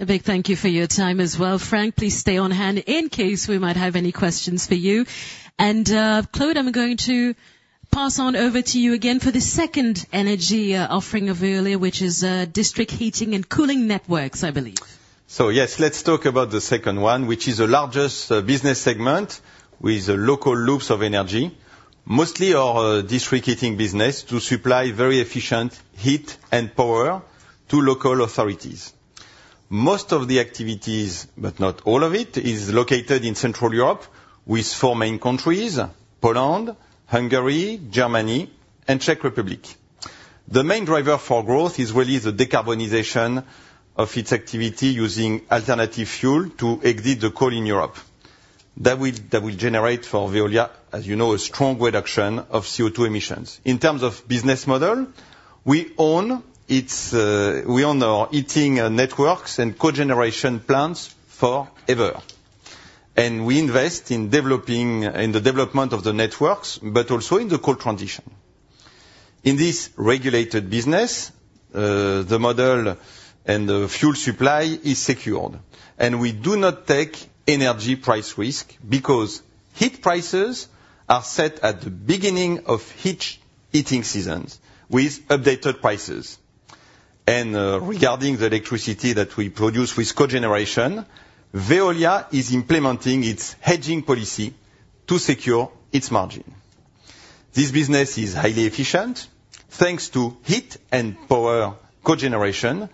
A big thank you for your time as well, Franck. Please stay on hand in case we might have any questions for you. And, Claude, I'm going to pass on over to you again for the second energy offering of Veolia, which is district heating and cooling networks, I believe. So yes, let's talk about the second one, which is the largest business segment with local loops of energy, mostly our district heating business to supply very efficient heat and power to local authorities. Most of the activities, but not all of it, is located in Central Europe, with four main countries: Poland, Hungary, Germany, and Czech Republic. The main driver for growth is really the decarbonization of its activity using alternative fuel to exit the coal in Europe. That will, that will generate for Veolia, as you know, a strong reduction of CO2 emissions. In terms of business model, we own its, we own our heating networks and cogeneration plants forever, and we invest in developing, in the development of the networks, but also in the coal transition. In this regulated business, the model and the fuel supply is secured, and we do not take energy price risk because heat prices are set at the beginning of each heating seasons with updated prices. Regarding the electricity that we produce with cogeneration, Veolia is implementing its hedging policy to secure its margin. This business is highly efficient, thanks to heat and power cogeneration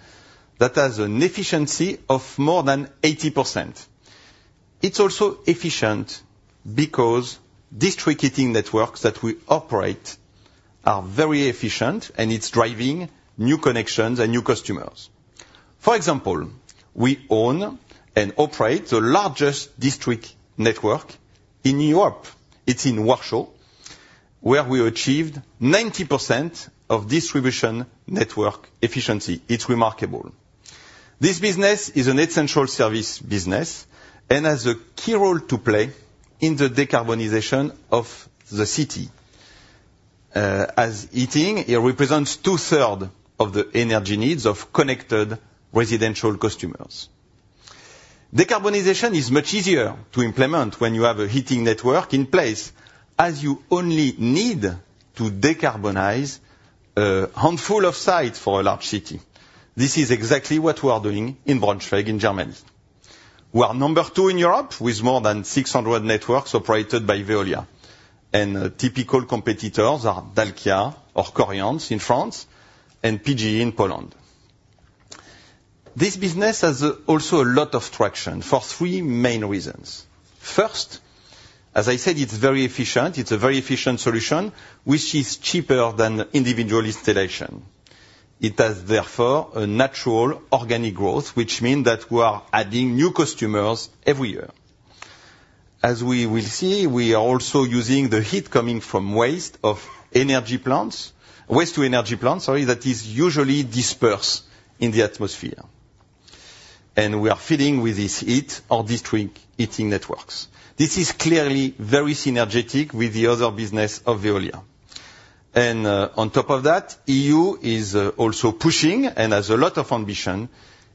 that has an efficiency of more than 80%. It's also efficient because district heating networks that we operate are very efficient, and it's driving new connections and new customers. For example, we own and operate the largest district network in Europe. It's in Warsaw, where we achieved 90% of distribution network efficiency. It's remarkable. This business is an essential service business and has a key role to play in the decarbonization of the city, as heating, it represents two-thirds of the energy needs of connected residential customers. Decarbonization is much easier to implement when you have a heating network in place, as you only need to decarbonize a handful of sites for a large city. This is exactly what we are doing in Braunschweig, in Germany. We are number two in Europe, with more than 600 networks operated by Veolia, and typical competitors are Dalkia or Coriance in France, and PGE in Poland. This business has also a lot of traction for three main reasons. First, as I said, it's very efficient. It's a very efficient solution, which is cheaper than individual installation. It has, therefore, a natural, organic growth, which mean that we are adding new customers every year. As we will see, we are also using the heat coming from waste of energy plants, waste-to-energy plants, sorry, that is usually dispersed in the atmosphere, and we are filling with this heat our district heating networks. This is clearly very synergetic with the other business of Veolia. And, on top of that, EU is also pushing and has a lot of ambition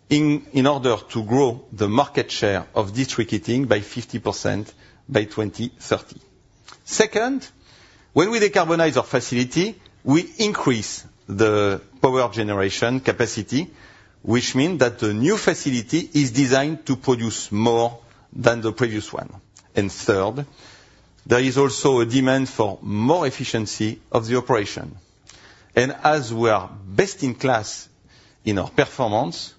in order to grow the market share of district heating by 50% by 2030. Second, when we decarbonize our facility, we increase the power generation capacity, which mean that the new facility is designed to produce more than the previous one. And third, there is also a demand for more efficiency of the operation. As we are best in class in our performance,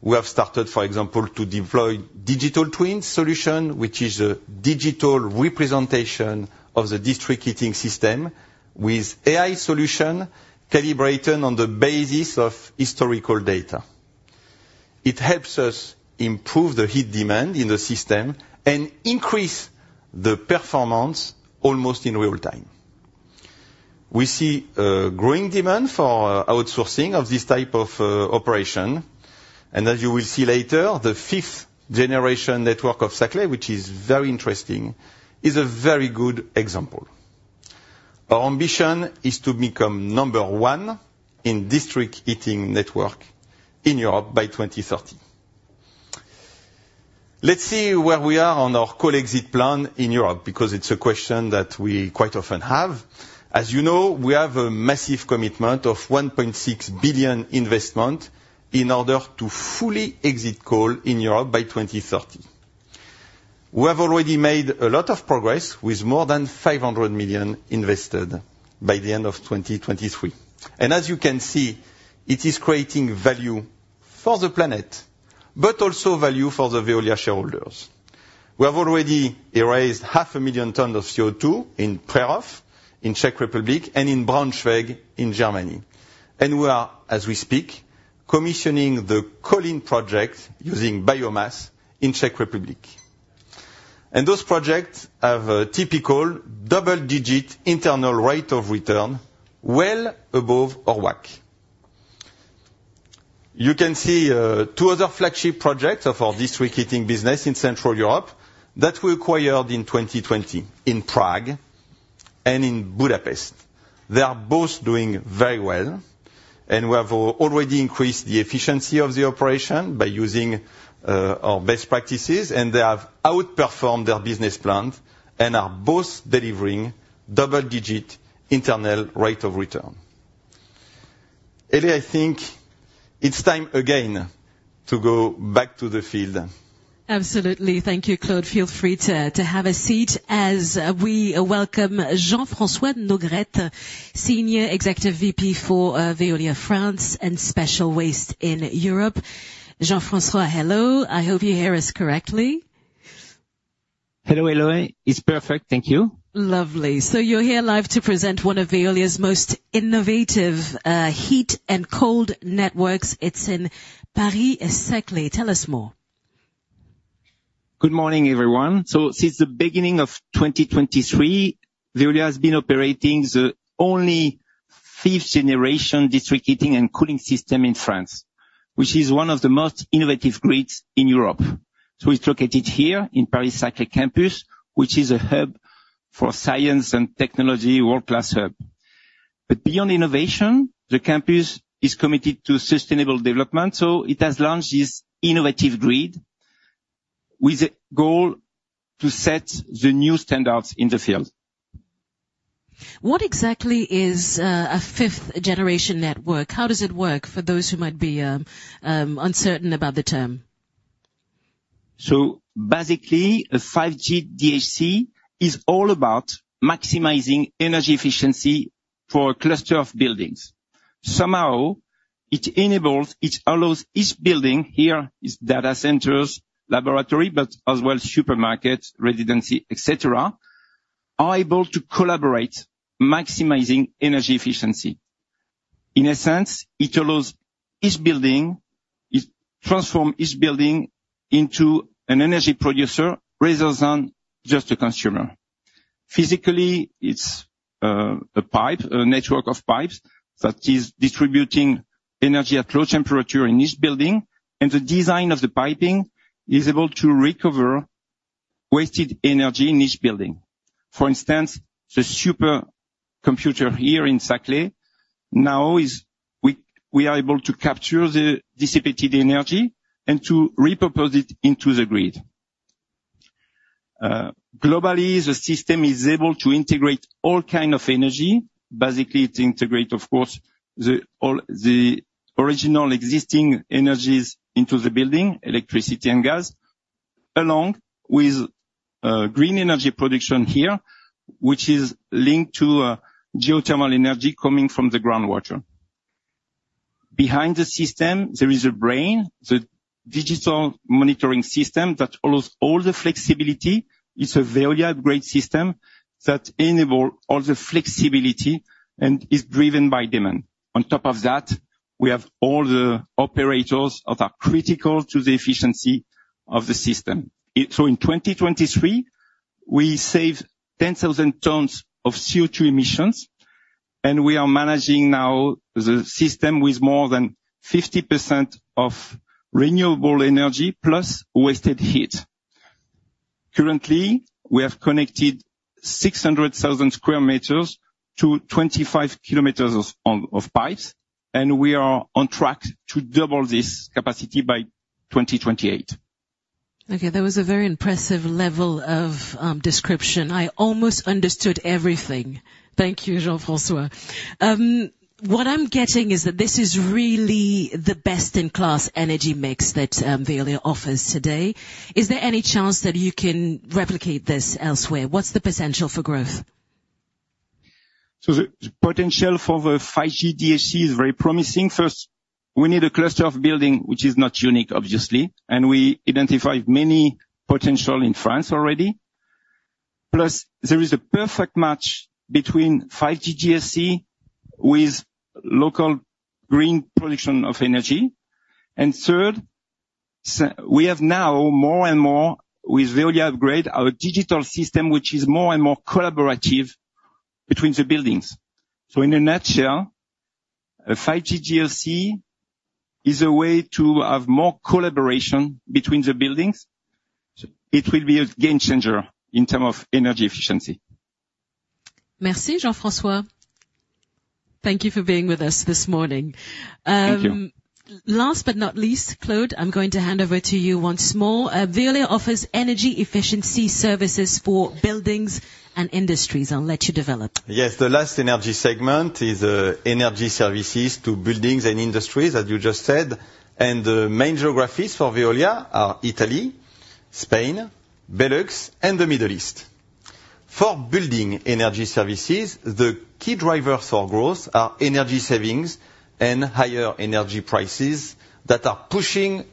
we have started, for example, to deploy digital twin solution, which is a digital representation of the district heating system with AI solution calibrated on the basis of historical data. It helps us improve the heat demand in the system and increase the performance almost in real time. We see a growing demand for outsourcing of this type of operation, and as you will see later, the fifth generation network of Saclay, which is very interesting, is a very good example. Our ambition is to become number one in district heating network in Europe by 2030. Let's see where we are on our coal exit plan in Europe, because it's a question that we quite often have. As you know, we have a massive commitment of 1.6 billion investment in order to fully exit coal in Europe by 2030. We have already made a lot of progress, with more than 500 million invested by the end of 2023. And as you can see, it is creating value for the planet, but also value for the Veolia shareholders. We have already erased 500,000 tons of CO2 in Prerov, in Czech Republic, and in Braunschweig, in Germany, and we are, as we speak, commissioning the Kolin project using biomass in Czech Republic. And those projects have a typical double-digit internal rate of return, well above our WACC. You can see two other flagship projects of our district heating business in Central Europe that we acquired in 2020, in Prague and in Budapest. They are both doing very well, and we have already increased the efficiency of the operation by using our best practices, and they have outperformed their business plans and are both delivering double-digit internal rate of return. Hélie, I think it's time again to go back to the field. Absolutely. Thank you, Claude. Feel free to have a seat as we welcome Jean-François Nogrette, Senior Executive VP for Veolia France and Special Waste in Europe. Jean-François, hello. I hope you hear us correctly. Hello, Hélie. It's perfect, thank you. Lovely. So you're here live to present one of Veolia's most innovative, heat and cold networks. It's in Paris-Saclay. Tell us more. Good morning, everyone. Since the beginning of 2023, Veolia has been operating the only fifth-generation district heating and cooling system in France, which is one of the most innovative grids in Europe. It's located here in Paris-Saclay Campus, which is a hub for science and technology, world-class hub. But beyond innovation, the campus is committed to sustainable development, so it has launched this innovative grid with the goal to set the new standards in the field. What exactly is a fifth-generation network? How does it work, for those who might be uncertain about the term? So basically, a 5G DHC is all about maximizing energy efficiency for a cluster of buildings. It enables, it allows each building, here is data centers, laboratory, but as well, supermarkets, residency, et cetera, are able to collaborate, maximizing energy efficiency. In a sense, it allows each building, it transform each building into an energy producer rather than just a consumer. Physically, it's a pipe, a network of pipes, that is distributing energy at low temperature in each building, and the design of the piping is able to recover wasted energy in each building. For instance, the supercomputer here in Saclay, now we, we are able to capture the dissipated energy and to repurpose it into the grid. Globally, the system is able to integrate all kind of energy. Basically, it integrate, of course, the all, the original existing energies into the building, electricity and gas, along with green energy production here, which is linked to geothermal energy coming from the groundwater. Behind the system, there is a brain, the digital monitoring system, that allows all the flexibility. It's a very great system that enable all the flexibility and is driven by demand. On top of that, we have all the operators that are critical to the efficiency of the system. So in 2023, we saved 10,000 tons of CO2 emissions, and we are managing now the system with more than 50% of renewable energy plus waste heat. Currently, we have connected 600,000 square meters to 25 km of pipes, and we are on track to double this capacity by 2028. Okay, that was a very impressive level of description. I almost understood everything. Thank you, Jean-François. What I'm getting is that this is really the best-in-class energy mix that Veolia offers today. Is there any chance that you can replicate this elsewhere? What's the potential for growth? So the potential for the 5G DHC is very promising. First, we need a cluster of building, which is not unique, obviously, and we identified many potential in France already. Plus, there is a perfect match between 5G DHC with local green production of energy. And third, we have now, more and more, with Hubgrade, our digital system, which is more and more collaborative between the buildings. So in a nutshell, a 5G DHC is a way to have more collaboration between the buildings. It will be a game changer in terms of energy efficiency. Merci, Jean-François. Thank you for being with us this morning. Thank you. Last but not least, Claude, I'm going to hand over to you once more. Veolia offers energy efficiency services for buildings and industries. I'll let you develop. Yes, the last energy segment is energy services to buildings and industries, as you just said, and the main geographies for Veolia are Italy, Spain, Benelux, and the Middle East. For building energy services, the key drivers for growth are energy savings and higher energy prices that are pushing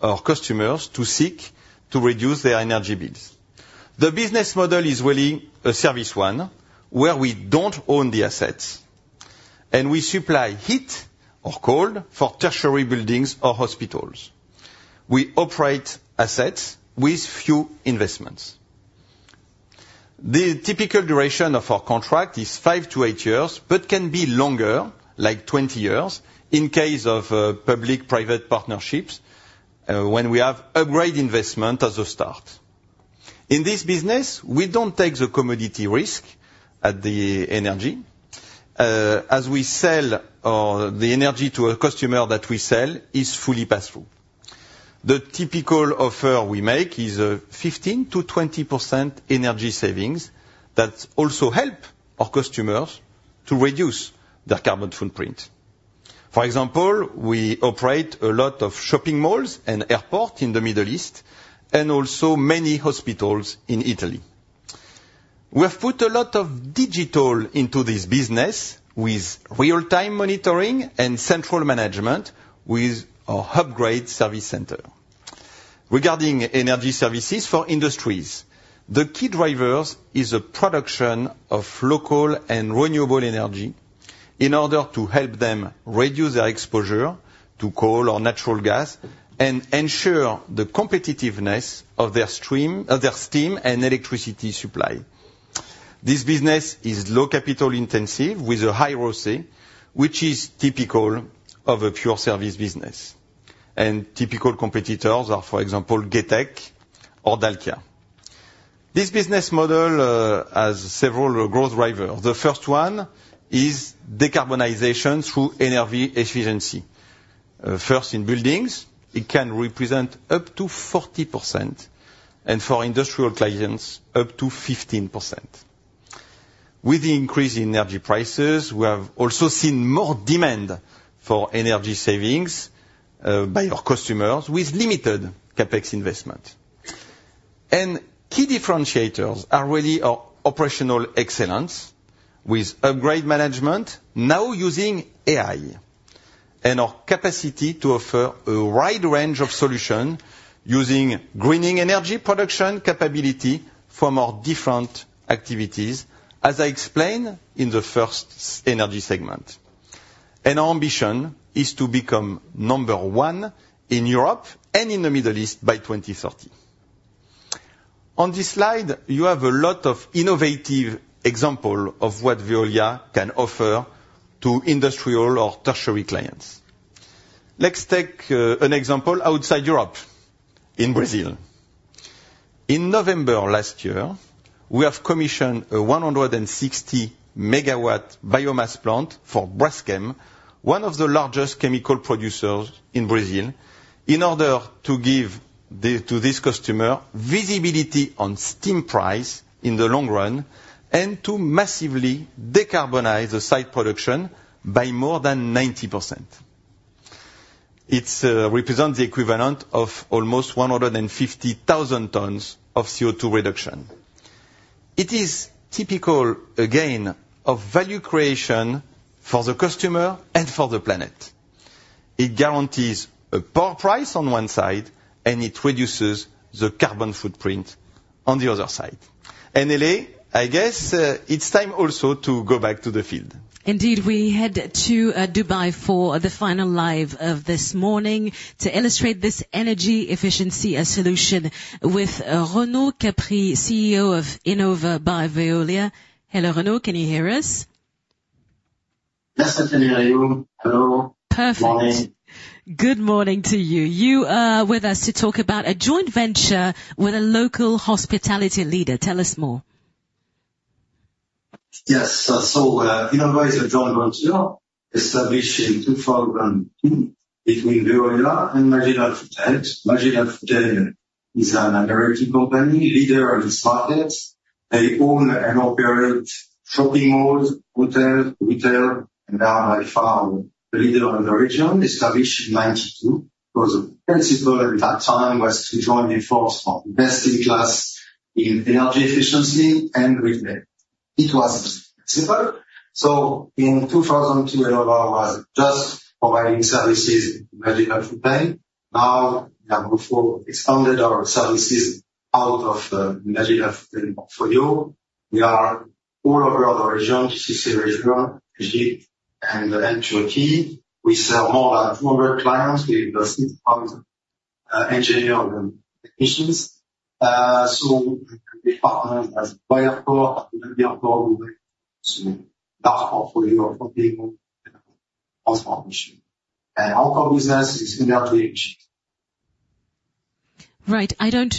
our customers to seek to reduce their energy bills. The business model is really a service one, where we don't own the assets, and we supply heat or cold for tertiary buildings or hospitals. We operate assets with few investments. The typical duration of our contract is five to eight years, but can be longer, like 20 years, in case of public-private partnerships, when we have upgrade investment as a start. In this business, we don't take the commodity risk at the energy, as we sell or the energy to a customer that we sell is fully pass-through. The typical offer we make is a 15%-20% energy savings that also help our customers to reduce their carbon footprint. For example, we operate a lot of shopping malls and airport in the Middle East, and also many hospitals in Italy. We have put a lot of digital into this business with real-time monitoring and central management with our Hubgrade service center. Regarding energy services for industries, the key drivers is a production of local and renewable energy in order to help them reduce their exposure to coal or natural gas and ensure the competitiveness of their stream, of their steam and electricity supply. This business is low capital intensive with a high ROCE, which is typical of a pure service business. Typical competitors are, for example, Getec or Dalkia. This business model has several growth drivers. The first one is decarbonization through energy efficiency. First, in buildings, it can represent up to 40%, and for industrial clients, up to 15%. With the increase in energy prices, we have also seen more demand for energy savings by our customers with limited CapEx investment. Key differentiators are really our operational excellence, with upgrade management now using AI, and our capacity to offer a wide range of solution using greening energy production capability from our different activities, as I explained in the first energy segment. Our ambition is to become number one in Europe and in the Middle East by 2030. On this slide, you have a lot of innovative example of what Veolia can offer to industrial or tertiary clients. Let's take an example outside Europe, in Brazil. In November last year, we have commissioned a 160 MW biomass plant for Braskem, one of the largest chemical producers in Brazil, in order to give the, to this customer, visibility on steam price in the long run, and to massively decarbonize the site production by more than 90%. It represents the equivalent of almost 150,000 tons of CO₂ reduction. It is typical, again, of value creation for the customer and for the planet. It guarantees a power price on one side, and it reduces the carbon footprint on the other side. Hélie, I guess, it's time also to go back to the field. Indeed, we head to Dubai for the final live of this morning to illustrate this energy efficiency solution with Renaud Capris, CEO of Enova by Veolia. Hello, Renaud, can you hear us? Yes, I can hear you. Hello. Perfect. Morning. Good morning to you. You are with us to talk about a joint venture with a local hospitality leader. Tell us more. Yes. So, Enova is a joint venture established in 2002 between Veolia and Majid Al Futtaim. Majid Al Futtaim is an company, leader in this market. They own and operate shopping malls, hotels, retail, and are by far the leader in the region, established in 1992. Those principles at that time was to join the forces for best in class in energy efficiency and environment. It was simple, so in 2002, Enova was just providing services, Majid Al Futtaim. Now, we have also expanded our services out of Majid Al Futtaim portfolio. We are all over the region, GCC region, Egypt, and Turkey. We serve more than 400 clients with 6,000 engineers and technicians. So we partner as Veolia Corp, so that portfolio of people as well. And our core business is energy efficiency. Right. I don't...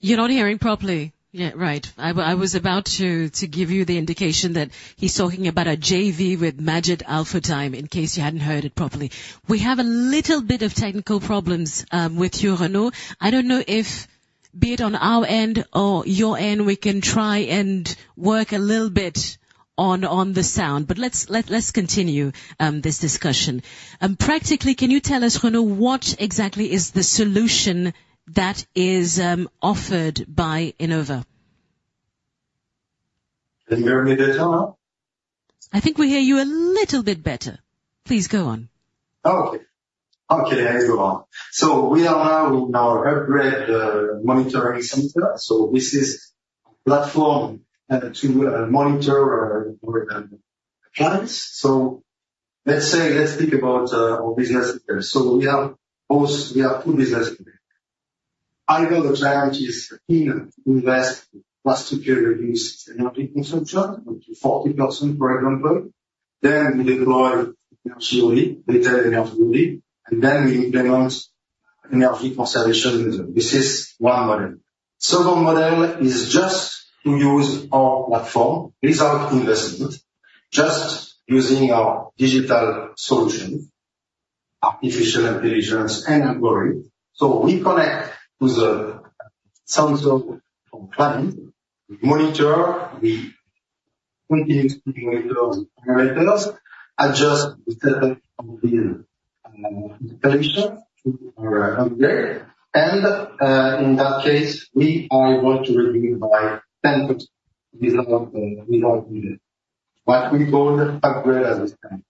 You're not hearing properly? Yeah, right. I was about to give you the indication that he's talking about a JV with Majid Al Futtaim, in case you hadn't heard it properly. We have a little bit of technical problems with you, Renaud. I don't know if, be it on our end or your end, we can try and work a little bit on the sound, but let's continue this discussion. Practically, can you tell us, Renaud, what exactly is the solution that is offered by Enova? Can you hear me better now? I think we hear you a little bit better. Please, go on. Okay. Okay, I go on. So we are now in our Hubgrade monitoring center. So this is platform to monitor our clients. So let's say, let's speak about our business there. So we have both, we have two business. Either the client is keen to invest last year, energy consumption, 40%, for example. Then we deploy energy, retail energy, and then we implement energy conservation. This is one model. Second model is just to use our platform without investment, just using our digital solution, artificial intelligence and algorithm. So we connect with the sensor from client, we monitor, we continue to monitor parameters, adjust the setting on the permission Hubgrade, and in that case, we are able to review by 10% without doing. But we call the Hubgrade at this time.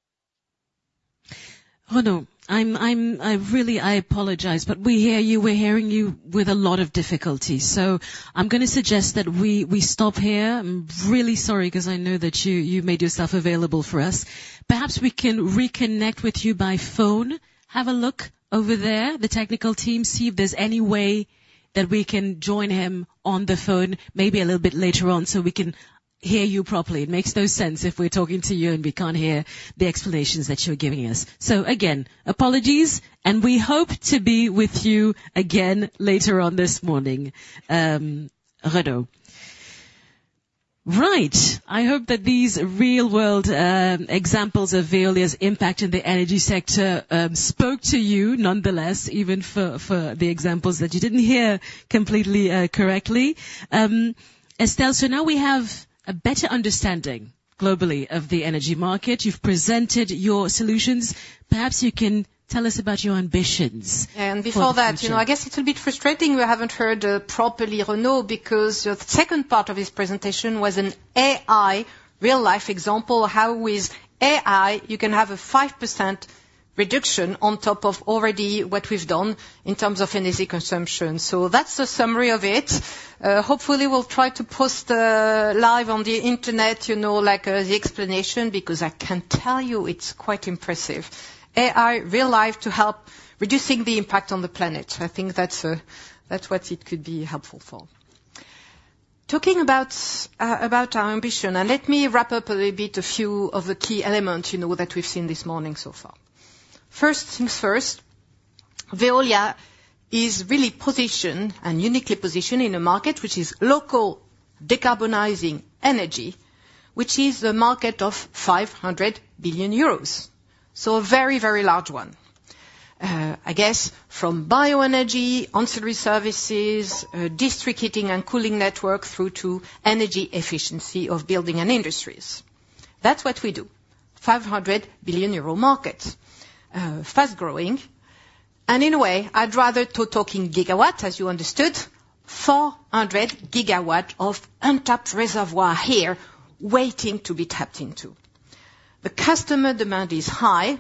Renaud, I really apologize, but we hear you. We're hearing you with a lot of difficulty, so I'm gonna suggest that we stop here. I'm really sorry, 'cause I know that you made yourself available for us. Perhaps we can reconnect with you by phone. Have a look over there, the technical team, see if there's any way that we can join him on the phone, maybe a little bit later on, so we can hear you properly. It makes no sense if we're talking to you and we can't hear the explanations that you're giving us. So again, apologies, and we hope to be with you again later on this morning, Renaud. Right. I hope that these real-world examples of Veolia's impact in the energy sector spoke to you nonetheless, even for the examples that you didn't hear completely correctly. Estelle, so now we have a better understanding globally of the energy market. You've presented your solutions. Perhaps you can tell us about your ambitions? Before that, you know, I guess it's a bit frustrating we haven't heard properly Renaud, because the second part of his presentation was an AI real-life example, how with AI, you can have a 5% reduction on top of already what we've done in terms of energy consumption. So that's the summary of it. Hopefully, we'll try to post the live on the internet, you know, like, the explanation, because I can tell you it's quite impressive. AI, real life, to help reducing the impact on the planet. I think that's, that's what it could be helpful for. Talking about, about our ambition, and let me wrap up a little bit, a few of the key elements, you know, that we've seen this morning so far. First things first, Veolia is really positioned, and uniquely positioned, in a market which is local decarbonizing energy, which is a market of 500 billion euros. So a very, very large one. I guess, from bioenergy, ancillary services, district heating and cooling network, through to energy efficiency of building and industries. That's what we do. 500 billion euro market, fast growing, and in a way, I'd rather to talk in gigawatt, as you understood, 400 GW of untapped reservoir here waiting to be tapped into. The customer demand is high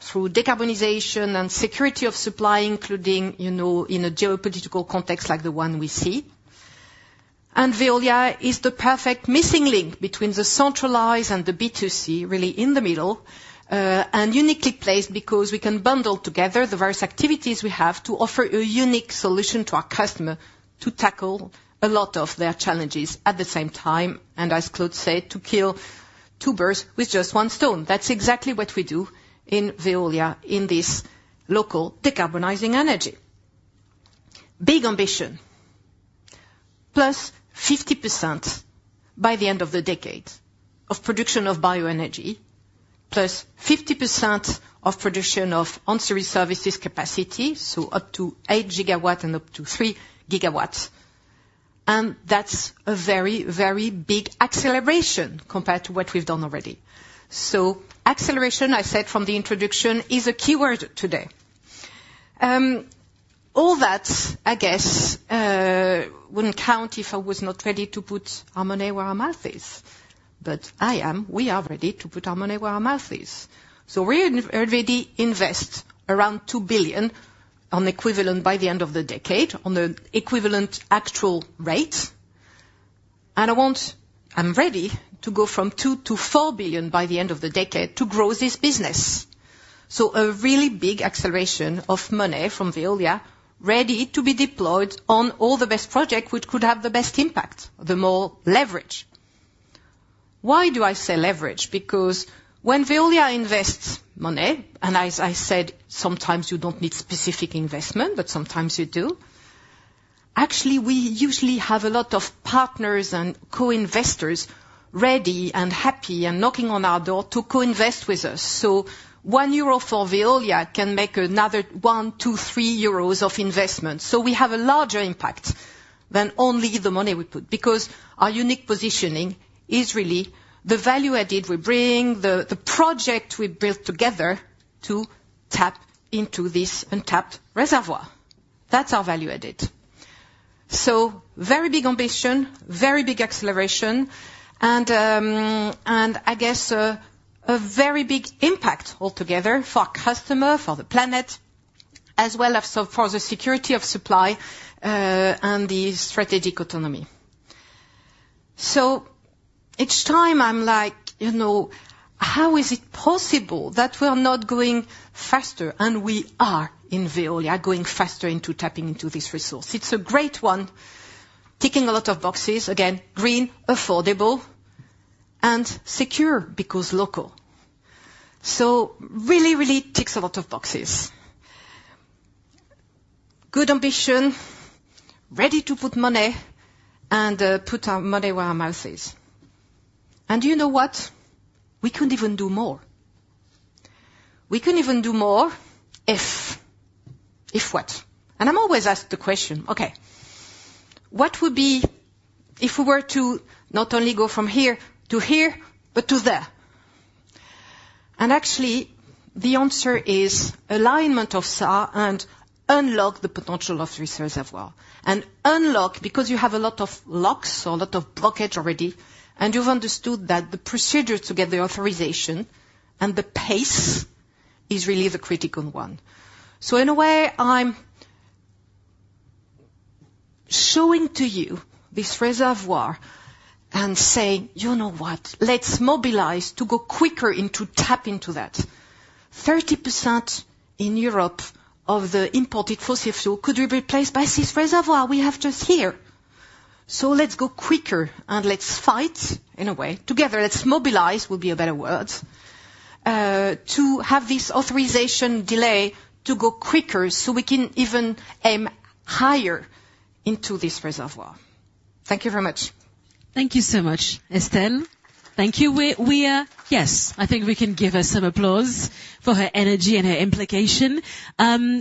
through decarbonization and security of supply, including, you know, in a geopolitical context like the one we see. And Veolia is the perfect missing link between the centralized and the B2C, really in the middle, and uniquely placed because we can bundle together the various activities we have to offer a unique solution to our customer to tackle a lot of their challenges at the same time, and as Claude said, to kill two birds with just one stone. That's exactly what we do in Veolia, in this local decarbonizing energy. Big ambition, +50% by the end of the decade of production of bioenergy, +50% of production of ancillary services capacity, so up to 8 GW and up to 3 GW. That's a very, very big acceleration compared to what we've done already. Acceleration, I said from the introduction, is a key word today. All that, I guess, wouldn't count if I was not ready to put our money where our mouth is. But I am. We are ready to put our money where our mouth is. We already invest around 2 billion equivalent by the end of the decade, on the equivalent actual rate. I want—I'm ready to go from 2 billion to 4 billion by the end of the decade to grow this business. So a really big acceleration of money from Veolia, ready to be deployed on all the best project, which could have the best impact, the more leverage. Why do I say leverage? Because when Veolia invests money, and as I said, sometimes you don't need specific investment, but sometimes you do. Actually, we usually have a lot of partners and co-investors ready and happy and knocking on our door to co-invest with us. So 1 euro for Veolia can make another 1, 2, 3 euros of investment. So we have a larger impact than only the money we put, because our unique positioning is really the value added we bring, the, the project we build together to tap into this untapped reservoir. That's our value added. So very big ambition, very big acceleration, and I guess a very big impact altogether for our customer, for the planet, as well as for the security of supply, and the strategic autonomy. So each time I'm like, you know, "How is it possible that we're not going faster?" And we are, in Veolia, going faster into tapping into this resource. It's a great one, ticking a lot of boxes. Again, green, affordable and secure, because local. So really, really ticks a lot of boxes. Good ambition, ready to put money, and put our money where our mouth is. And you know what? We could even do more. We could even do more if... If what? And I'm always asked the question, okay: What would be if we were to not only go from here to here, but to there? Actually, the answer is alignment of stars and unlock the potential of the reservoir. And unlock, because you have a lot of locks, so a lot of blockage already, and you've understood that the procedure to get the authorization and the pace is really the critical one. So in a way, I'm showing to you this reservoir and saying, "You know what? Let's mobilize to go quicker and to tap into that." 30% in Europe of the imported fossil fuel could be replaced by this reservoir we have just here. So let's go quicker, and let's fight, in a way, together. Let's mobilize, would be a better word, to have this authorization delay to go quicker, so we can even aim higher into this reservoir. Thank you very much. Thank you so much, Estelle. Thank you. Yes, I think we can give her some applause for her energy and her implication.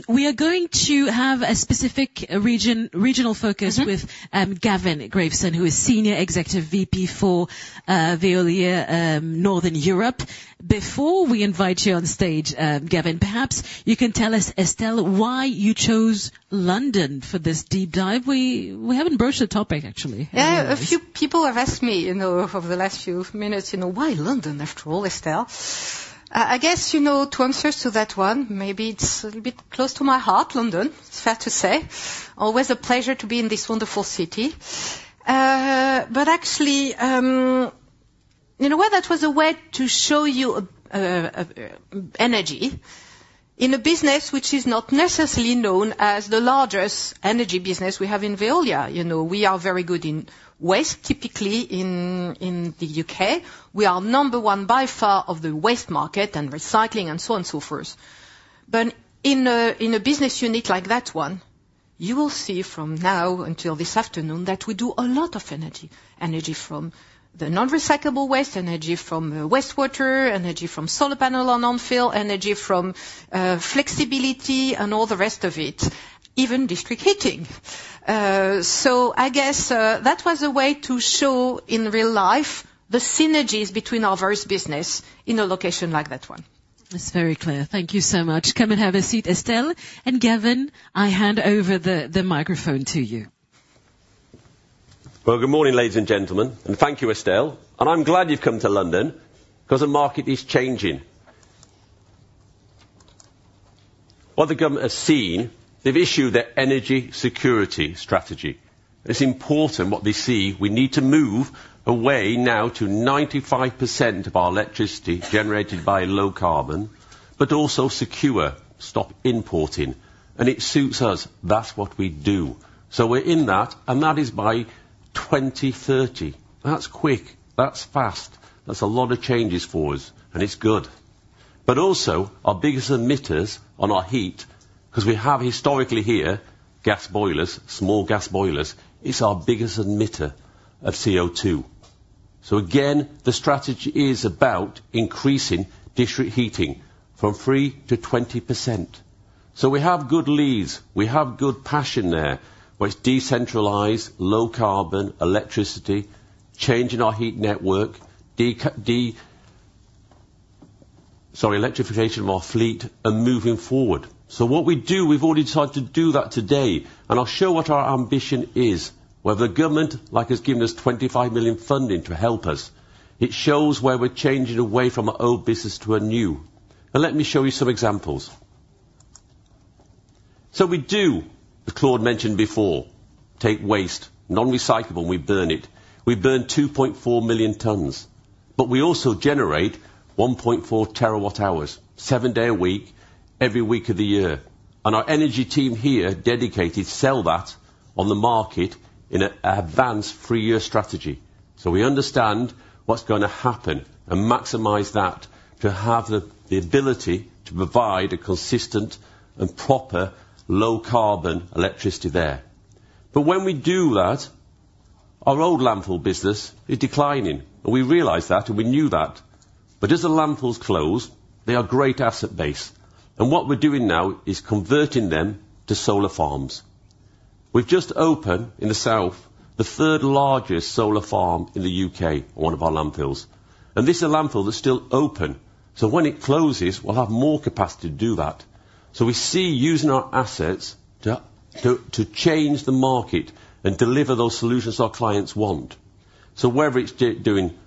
We are going to have a specific region, regional focus with Gavin Graveson, who is Senior Executive VP for Veolia Northern Europe. Before we invite you on stage, Gavin, perhaps you can tell us, Estelle, why you chose London for this deep dive? We haven't brushed the topic, actually. Yeah, a few people have asked me, you know, over the last few minutes, you know, "Why London after all, Estelle?" I guess, you know, to answer to that one, maybe it's a little bit close to my heart, London, it's fair to say. Always a pleasure to be in this wonderful city. But actually, in a way, that was a way to show you energy in a business which is not necessarily known as the largest energy business we have in Veolia. You know, we are very good in waste, typically in the U.K. We are number one, by far, of the waste market and recycling and so on and so forth. But in a business unit like that one, you will see from now until this afternoon that we do a lot of energy. Energy from the non-recyclable waste, energy from wastewater, energy from solar panel on landfill, energy from, flexibility and all the rest of it, even district heating. So I guess, that was a way to show in real life the synergies between our various business in a location like that one. That's very clear. Thank you so much. Come and have a seat, Estelle. Gavin, I hand over the microphone to you. Well, good morning, ladies and gentlemen, and thank you, Estelle. And I'm glad you've come to London, 'cause the market is changing. What the government has seen, they've issued their energy security strategy. It's important what they see. We need to move away now to 95% of our electricity generated by low carbon, but also secure, stop importing, and it suits us. That's what we do. So we're in that, and that is by 2030. That's quick, that's fast. That's a lot of changes for us, and it's good. But also, our biggest emitters on our heat, 'cause we have historically here, gas boilers, small gas boilers, is our biggest emitter of CO2. So again, the strategy is about increasing district heating from 3%-20%. So we have good leads, we have good passion there, where it's decentralized, low carbon electricity, changing our heat network, electrification of our fleet and moving forward. So what we do, we've already started to do that today, and I'll show what our ambition is, where the government, like has given us 25 million funding to help us. It shows where we're changing away from an old business to a new. But let me show you some examples. So we do, as Claude mentioned before, take waste, non-recyclable, and we burn it. We burn 2.4 million tons, but we also generate 1.4 TWh, seven days a week, every week of the year. And our energy team here, dedicated, sell that on the market in an advanced three-year strategy. So we understand what's gonna happen and maximize that to have the ability to provide a consistent and proper low-carbon electricity there. But when we do that, our old landfill business is declining, and we realized that, and we knew that. But as the landfills close, they are great asset base, and what we're doing now is converting them to solar farms. We've just opened, in the south, the third largest solar farm in the UK, on one of our landfills. And this landfill is still open, so when it closes, we'll have more capacity to do that. So we see using our assets to change the market and deliver those solutions our clients want. So whether it's doing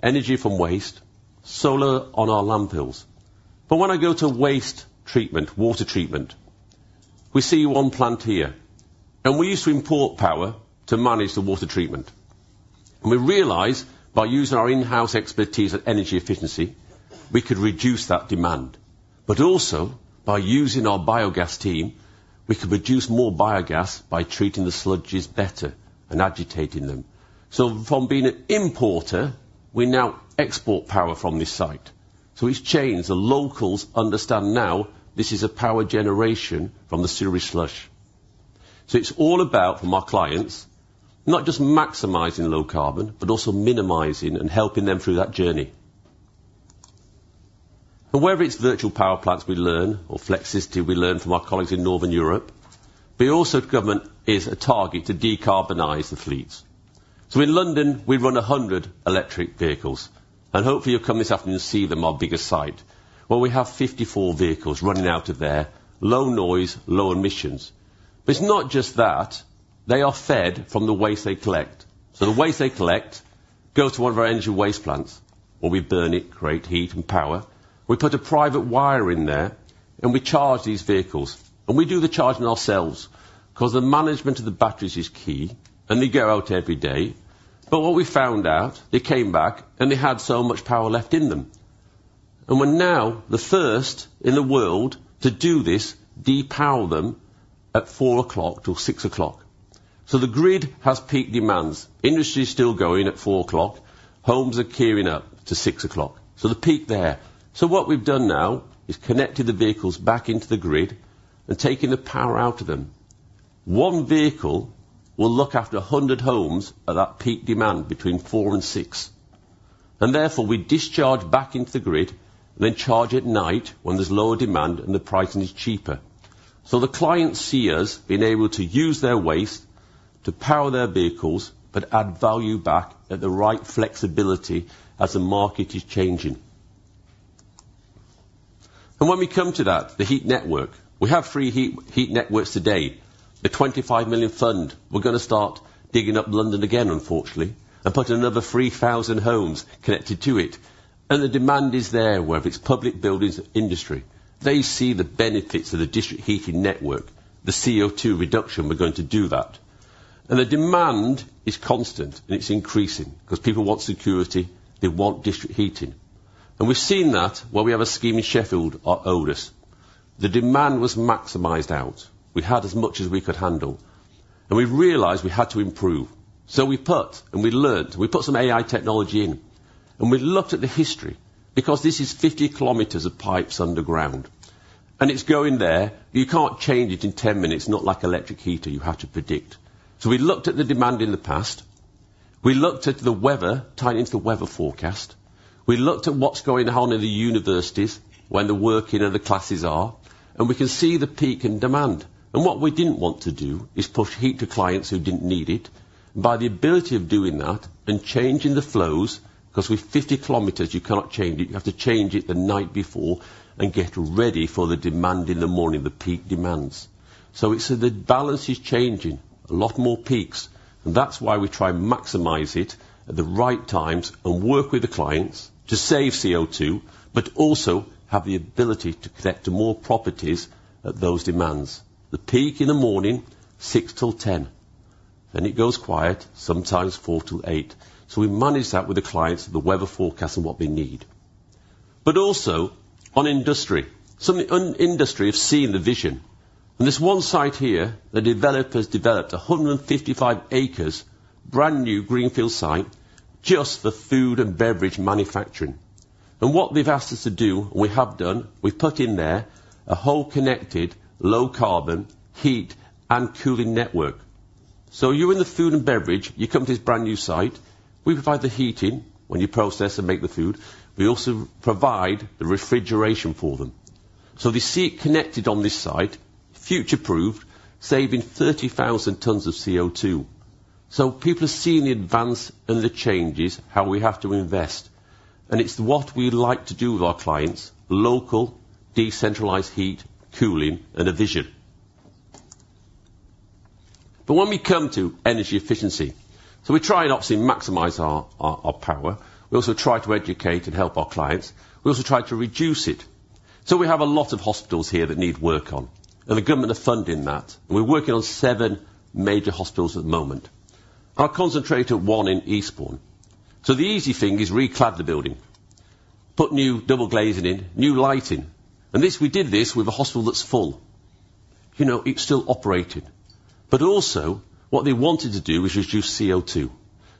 energy from waste, solar on our landfills. But when I go to waste treatment, water treatment, we see one plant here, and we used to import power to manage the water treatment. We realized, by using our in-house expertise at energy efficiency, we could reduce that demand. But also, by using our biogas team, we could produce more biogas by treating the sludges better and agitating them. So from being an importer, we now export power from this site. So it's changed. The locals understand now this is a power generation from the sewer sludge. So it's all about, from our clients, not just maximizing low carbon, but also minimizing and helping them through that journey. Whether it's virtual power plants we learn or flexibility we learn from our colleagues in Northern Europe, but also government is a target to decarbonize the fleets. So in London, we run 100 electric vehicles, and hopefully, you'll come this afternoon to see them, our biggest site. Well, we have 54 vehicles running out of there, low noise, low emissions. But it's not just that, they are fed from the waste they collect. So the waste they collect goes to one of our energy from waste plants, where we burn it, create heat and power. We put a private wire in there, and we charge these vehicles. And we do the charging ourselves, 'cause the management of the batteries is key, and they go out every day. But what we found out, they came back, and they had so much power left in them. And we're now the first in the world to do this, depower them at 4:00 P.M. till 6:00 P.M. So the grid has peak demands. Industry is still going at 4:00 P.M., homes are gearing up to 6:00 P.M. So the peak there. So what we've done now is connected the vehicles back into the grid and taken the power out of them. One vehicle will look after 100 homes at that peak demand between 4:00 P.M. and 6:00 P.M., and therefore, we discharge back into the grid, then charge at night when there's lower demand and the pricing is cheaper. So the clients see us being able to use their waste to power their vehicles, but add value back at the right flexibility as the market is changing... And when we come to that, the heat network, we have three heat networks today, a 25 million fund. We're gonna start digging up London again, unfortunately, and putting another 3,000 homes connected to it. And the demand is there, whether it's public buildings or industry, they see the benefits of the district heating network, the CO2 reduction, we're going to do that. And the demand is constant, and it's increasing because people want security, they want district heating. And we've seen that where we have a scheme in Sheffield our oldest. The demand was maximized out. We had as much as we could handle, and we realized we had to improve. So we put and we learned. We put some AI technology in, and we looked at the history because this is 50 km of pipes underground, and it's going there. You can't change it in 10 minutes, not like electric heater, you have to predict. So we looked at the demand in the past. We looked at the weather, tied into the weather forecast. We looked at what's going on in the universities, when the working and the classes are, and we can see the peak in demand. And what we didn't want to do is push heat to clients who didn't need it. By the ability of doing that and changing the flows, because with 50 km, you cannot change it, you have to change it the night before and get ready for the demand in the morning, the peak demands. So it's, the balance is changing. A lot more peaks, and that's why we try and maximize it at the right times and work with the clients to save CO2 but also have the ability to connect to more properties at those demands. The peak in the morning, 6 till 10, then it goes quiet, sometimes 4 till 8. So we manage that with the clients, the weather forecast and what they need. But also on industry. Some in industry have seen the vision, and this one site here, the developer has developed 155 acres, brand-new greenfield site, just for food and beverage manufacturing. And what they've asked us to do, and we have done, we've put in there a whole connected, low-carbon, heat and cooling network. So you're in the food and beverage, you come to this brand-new site. We provide the heating when you process and make the food. We also provide the refrigeration for them. So they see it connected on this site, future-proofed, saving 30,000 tons of CO2. So people are seeing the advance and the changes, how we have to invest, and it's what we like to do with our clients: local, decentralized heat, cooling, and a vision. But when we come to energy efficiency, so we try and obviously maximize our power. We also try to educate and help our clients. We also try to reduce it. So we have a lot of hospitals here that need work on, and the government are funding that. We're working on seven major hospitals at the moment. I'll concentrate on one in Eastbourne. So the easy thing is reclad the building, put new double glazing in, new lighting, and this, we did this with a hospital that's full. You know, it's still operating, but also what they wanted to do is reduce CO2.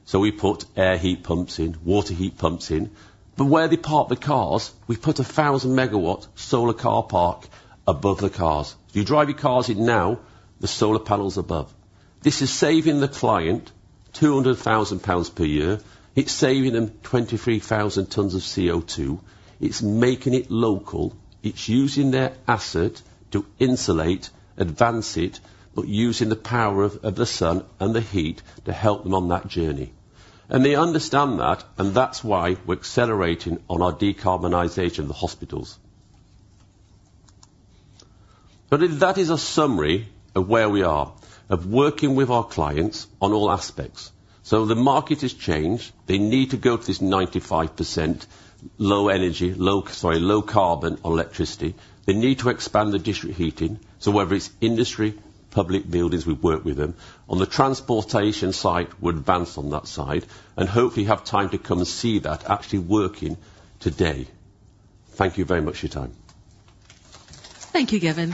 So we put air heat pumps in, water heat pumps in, but where they park the cars, we put a 1,000 MW solar car park above the cars. You drive your cars in now, there's solar panels above. This is saving the client 200,000 pounds per year. It's saving them 23,000 tons of CO2. It's making it local. It's using their asset to insulate, advance it, but using the power of the sun and the heat to help them on that journey. And they understand that, and that's why we're accelerating on our decarbonization of the hospitals. But that is a summary of where we are, of working with our clients on all aspects. So the market has changed. They need to go to this 95% low energy, low carbon electricity. They need to expand the district heating. So whether it's industry, public buildings, we work with them. On the transportation side, we advance on that side and hopefully have time to come and see that actually working today. Thank you very much for your time. Thank you, Gavin.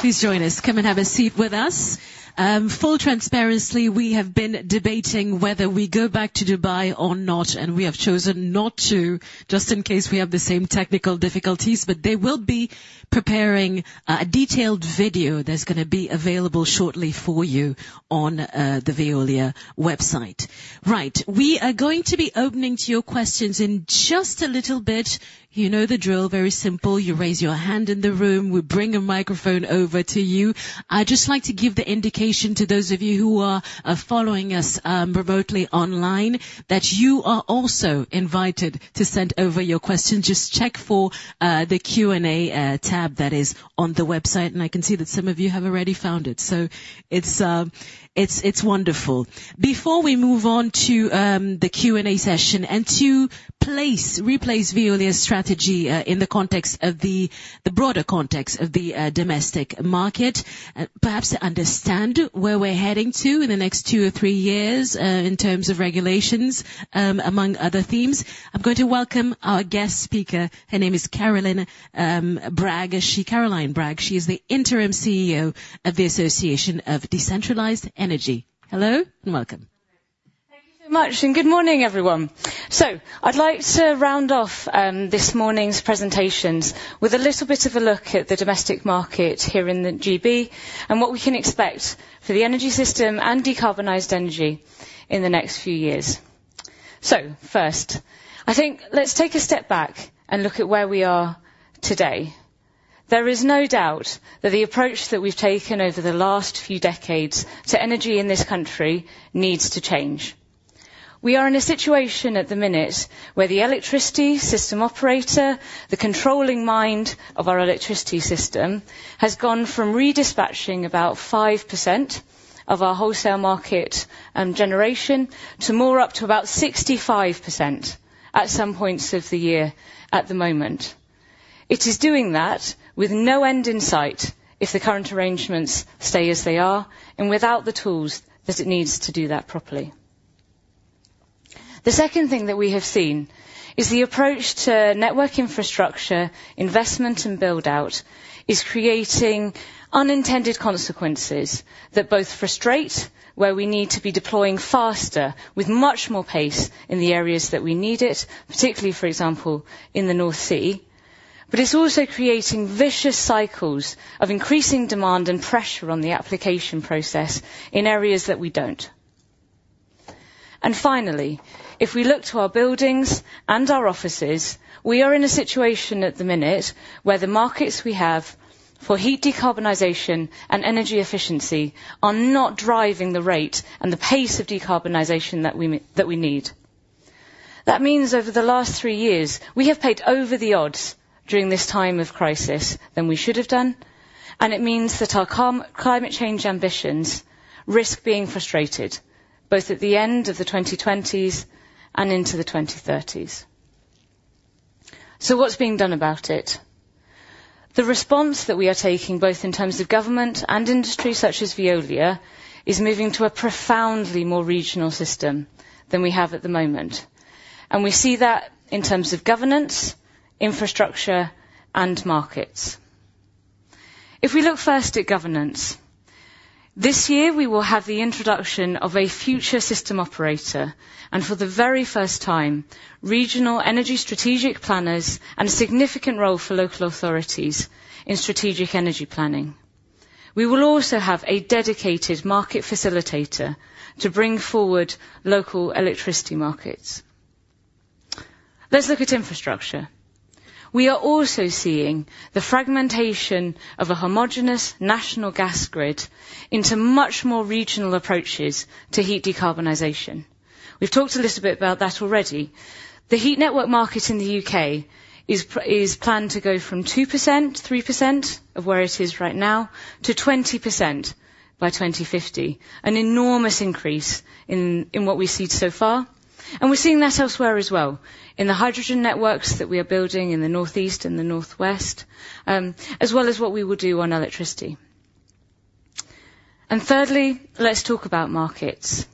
Please join us. Come and have a seat with us. Full transparency, we have been debating whether we go back to Dubai or not, and we have chosen not to, just in case we have the same technical difficulties, but they will be preparing a detailed video that's gonna be available shortly for you on the Veolia website. Right. We are going to be opening to your questions in just a little bit. You know the drill, very simple. You raise your hand in the room, we bring a microphone over to you. I'd just like to give the indication to those of you who are following us remotely online, that you are also invited to send over your questions. Just check for the Q&A tab that is on the website, and I can see that some of you have already found it, so it's wonderful. Before we move on to the Q&A session and to place Veolia's strategy in the context of the broader context of the domestic market, perhaps to understand where we're heading to in the next two or three years in terms of regulations, among other themes. I'm going to welcome our guest speaker. Her name is Caroline Bragg. She is the Interim CEO of the Association for Decentralized Energy. Hello and welcome. Thank you so much, and good morning, everyone. I'd like to round off this morning's presentations with a little bit of a look at the domestic market here in the GB and what we can expect for the energy system and decarbonized energy in the next few years. First, I think let's take a step back and look at where we are today. There is no doubt that the approach that we've taken over the last few decades to energy in this country needs to change. We are in a situation at the minute where the Electricity System Operator, the controlling mind of our electricity system, has gone from redispatching about 5% of our wholesale market and generation, to more up to about 65% at some points of the year at the moment. It is doing that with no end in sight if the current arrangements stay as they are, and without the tools that it needs to do that properly. The second thing that we have seen is the approach to network infrastructure, investment, and build-out is creating unintended consequences that both frustrate, where we need to be deploying faster with much more pace in the areas that we need it, particularly, for example, in the North Sea. But it's also creating vicious cycles of increasing demand and pressure on the application process in areas that we don't. Finally, if we look to our buildings and our offices, we are in a situation at the minute where the markets we have for heat decarbonization and energy efficiency are not driving the rate and the pace of decarbonization that we need. That means over the last three years, we have paid over the odds during this time of crisis than we should have done, and it means that our climate change ambitions risk being frustrated, both at the end of the 2020s and into the 2030s. What's being done about it? The response that we are taking, both in terms of government and industry such as Veolia, is moving to a profoundly more regional system than we have at the moment, and we see that in terms of governance, infrastructure, and markets. If we look first at governance, this year, we will have the introduction of a Future System Operator, and for the very first time, Regional Energy Strategic Planners and a significant role for local authorities in strategic energy planning. We will also have a dedicated market facilitator to bring forward local electricity markets. Let's look at infrastructure. We are also seeing the fragmentation of a homogenous national gas grid into much more regional approaches to heat decarbonization. We've talked a little bit about that already. The heat network market in the U.K. is planned to go from 2%-3% of where it is right now, to 20% by 2050. An enormous increase in, in what we see so far, and we're seeing that elsewhere as well, in the hydrogen networks that we are building in the northeast and the northwest, as well as what we will do on electricity. And thirdly, let's talk about markets.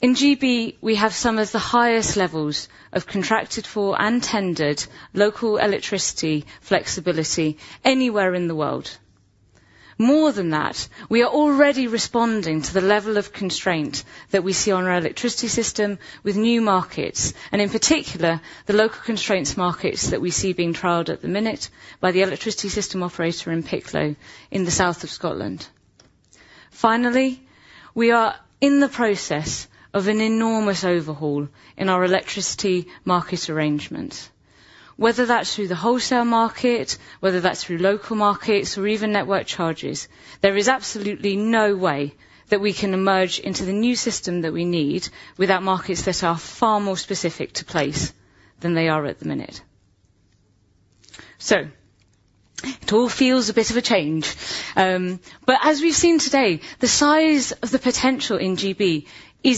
In GB, we have some of the highest levels of contracted for and tendered local electricity flexibility anywhere in the world. More than that, we are already responding to the level of constraint that we see on our electricity system with new markets, and in particular, the local constraints markets that we see being trialed at the minute by the Electricity System Operator in Piclo, in the South of Scotland. Finally, we are in the process of an enormous overhaul in our electricity market arrangements. Whether that's through the wholesale market, whether that's through local markets, or even network charges, there is absolutely no way that we can emerge into the new system that we need without markets that are far more specific to place than they are at the minute. So it all feels a bit of a change, but as we've seen today, the size of the potential in GB is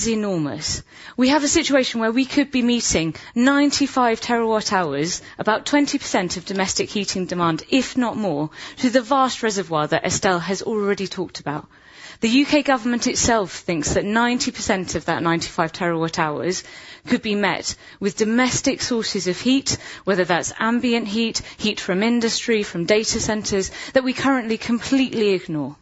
enormous. We have a situation where we could be meeting 95 TWh, about 20% of domestic heating demand, if not more, through the vast reservoir that Estelle has already talked about. The U.K. government itself thinks that 90% of that 95 TWh could be met with domestic sources of heat, whether that's ambient heat, heat from industry, from data centers that we currently completely ignore.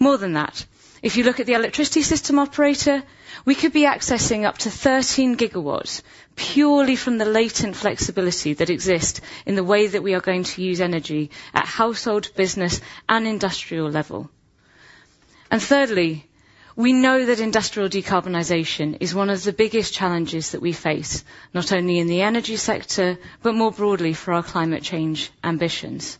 More than that, if you look at the Electricity System Operator, we could be accessing up to 13 GW, purely from the latent flexibility that exist in the way that we are going to use energy at household, business, and industrial level. Thirdly, we know that industrial decarbonization is one of the biggest challenges that we face, not only in the energy sector, but more broadly for our climate change ambitions.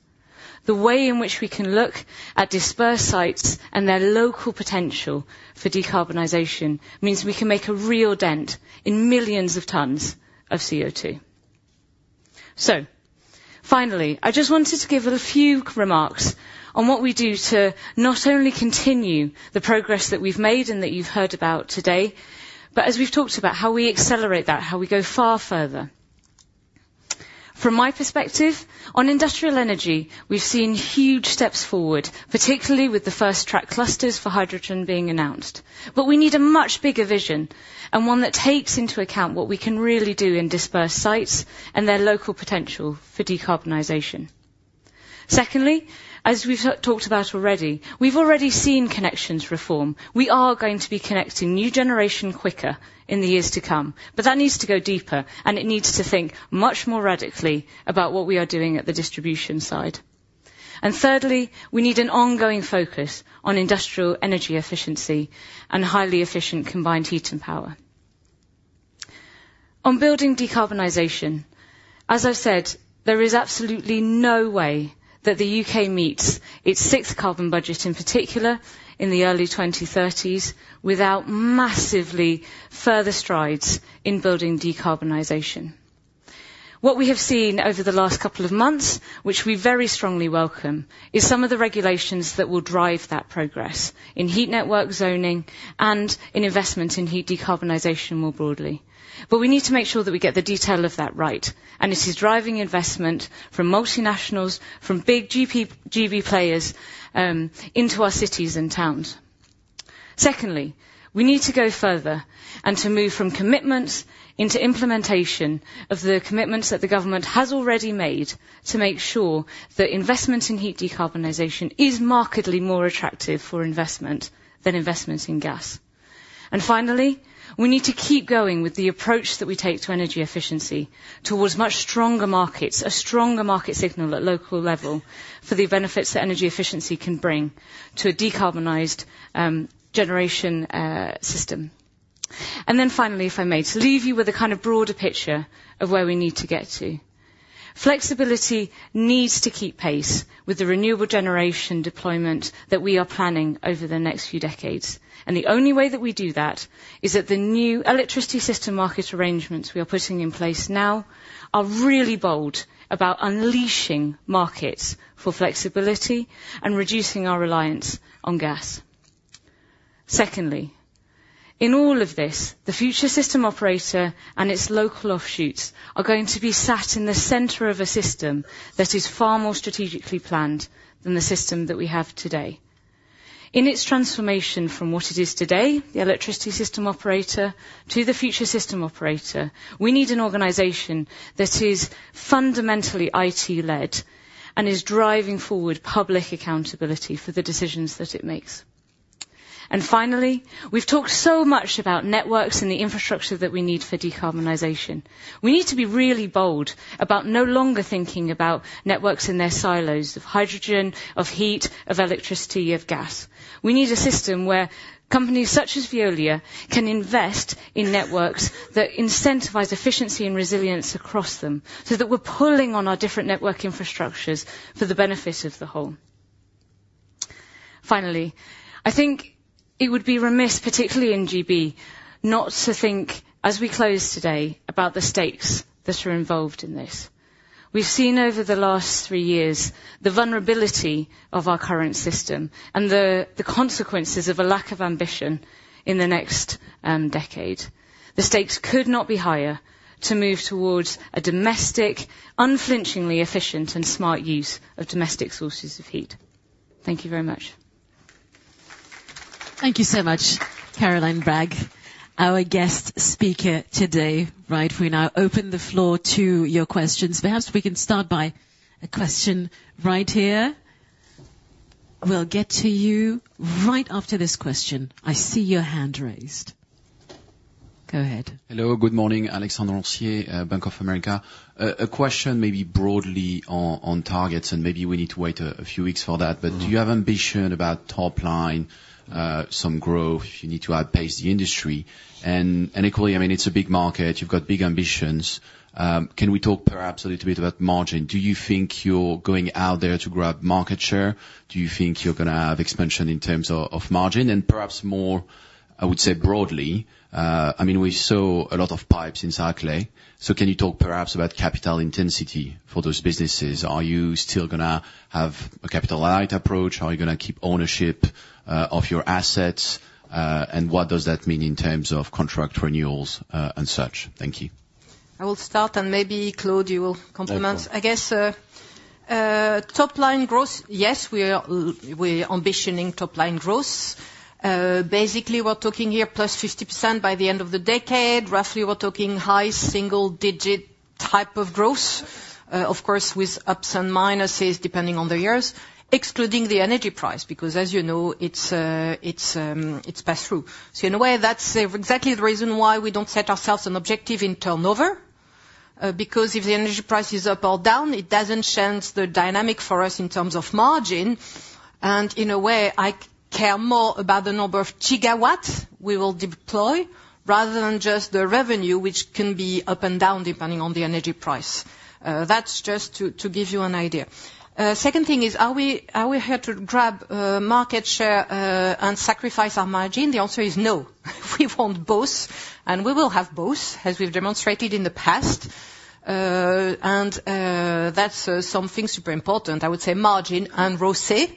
The way in which we can look at dispersed sites and their local potential for decarbonization, means we can make a real dent in millions of tons of CO2. Finally, I just wanted to give a few remarks on what we do to not only continue the progress that we've made and that you've heard about today, but as we've talked about, how we accelerate that, how we go far further. From my perspective, on industrial energy, we've seen huge steps forward, particularly with the first track clusters for hydrogen being announced. But we need a much bigger vision and one that takes into account what we can really do in dispersed sites and their local potential for decarbonization. Secondly, as we've talked about already, we've already seen connections reform. We are going to be connecting new generation quicker in the years to come, but that needs to go deeper, and it needs to think much more radically about what we are doing at the distribution side. And thirdly, we need an ongoing focus on industrial energy efficiency and highly efficient combined heat and power. On building decarbonization, as I've said, there is absolutely no way that the U.K. meets its Sixth Carbon Budget, in particular, in the early 2030s, without massively further strides in building decarbonization. What we have seen over the last couple of months, which we very strongly welcome, is some of the regulations that will drive that progress in heat network zoning and in investment in heat decarbonization more broadly. But we need to make sure that we get the detail of that right, and it is driving investment from multinationals, from big GB players, into our cities and towns. Secondly, we need to go further and to move from commitments into implementation of the commitments that the government has already made, to make sure that investment in heat decarbonization is markedly more attractive for investment than investments in gas. And finally, we need to keep going with the approach that we take to energy efficiency, towards much stronger markets, a stronger market signal at local level for the benefits that energy efficiency can bring to a decarbonized generation system. And then finally, if I may, to leave you with a kind of broader picture of where we need to get to. Flexibility needs to keep pace with the renewable generation deployment that we are planning over the next few decades. And the only way that we do that is that the new electricity system market arrangements we are putting in place now are really bold about unleashing markets for flexibility and reducing our reliance on gas. Secondly, in all of this, the Future System Operator and its local offshoots are going to be sat in the center of a system that is far more strategically planned than the system that we have today. In its transformation from what it is today, the Electricity System Operator, to the Future System Operator, we need an organization that is fundamentally IT-led and is driving forward public accountability for the decisions that it makes. And finally, we've talked so much about networks and the infrastructure that we need for decarbonization. We need to be really bold about no longer thinking about networks in their silos, of hydrogen, of heat, of electricity, of gas. We need a system where companies such as Veolia can invest in networks that incentivize efficiency and resilience across them, so that we're pulling on our different network infrastructures for the benefit of the whole. Finally, I think it would be remiss, particularly in GB, not to think, as we close today, about the stakes that are involved in this. We've seen over the last three years, the vulnerability of our current system and the consequences of a lack of ambition in the next decade. The stakes could not be higher to move towards a domestic, unflinchingly efficient and smart use of domestic sources of heat. Thank you very much. Thank you so much, Caroline Bragg, our guest speaker today. Right, we now open the floor to your questions. Perhaps we can start by a question right here. We'll get to you right after this question. I see your hand raised. Go ahead. Hello, good morning. Alexandre Roncier, Bank of America. A question maybe broadly on targets, and maybe we need to wait a few weeks for that. But do you have ambition about top line, some growth? You need to outpace the industry. And, and equally, I mean, it's a big market. You've got big ambitions. Can we talk perhaps a little bit about margin? Do you think you're going out there to grab market share? Do you think you're gonna have expansion in terms of, of margin? And perhaps more, I would say broadly, I mean, we saw a lot of pipes in Saclay. So can you talk perhaps about capital intensity for those businesses? Are you still gonna have a capital light approach? Are you gonna keep ownership, of your assets? And what does that mean in terms of contract renewals, and such? Thank you. I will start, and maybe, Claude, you will complement. Right. I guess, top line growth, yes, we are, we're ambitioning top line growth. Basically, we're talking here +50% by the end of the decade. Roughly, we're talking high single-digit type of growth. Of course, with ups and minuses, depending on the years, excluding the energy price, because, as you know, it's, it's pass through. So in a way, that's exactly the reason why we don't set ourselves an objective in turnover, because if the energy price is up or down, it doesn't change the dynamic for us in terms of margin. And in a way, I care more about the number of gigawatts we will deploy, rather than just the revenue, which can be up and down, depending on the energy price. That's just to give you an idea. Second thing is, are we here to grab market share and sacrifice our margin? The answer is no. We want both, and we will have both, as we've demonstrated in the past. That's something super important. I would say margin and ROCE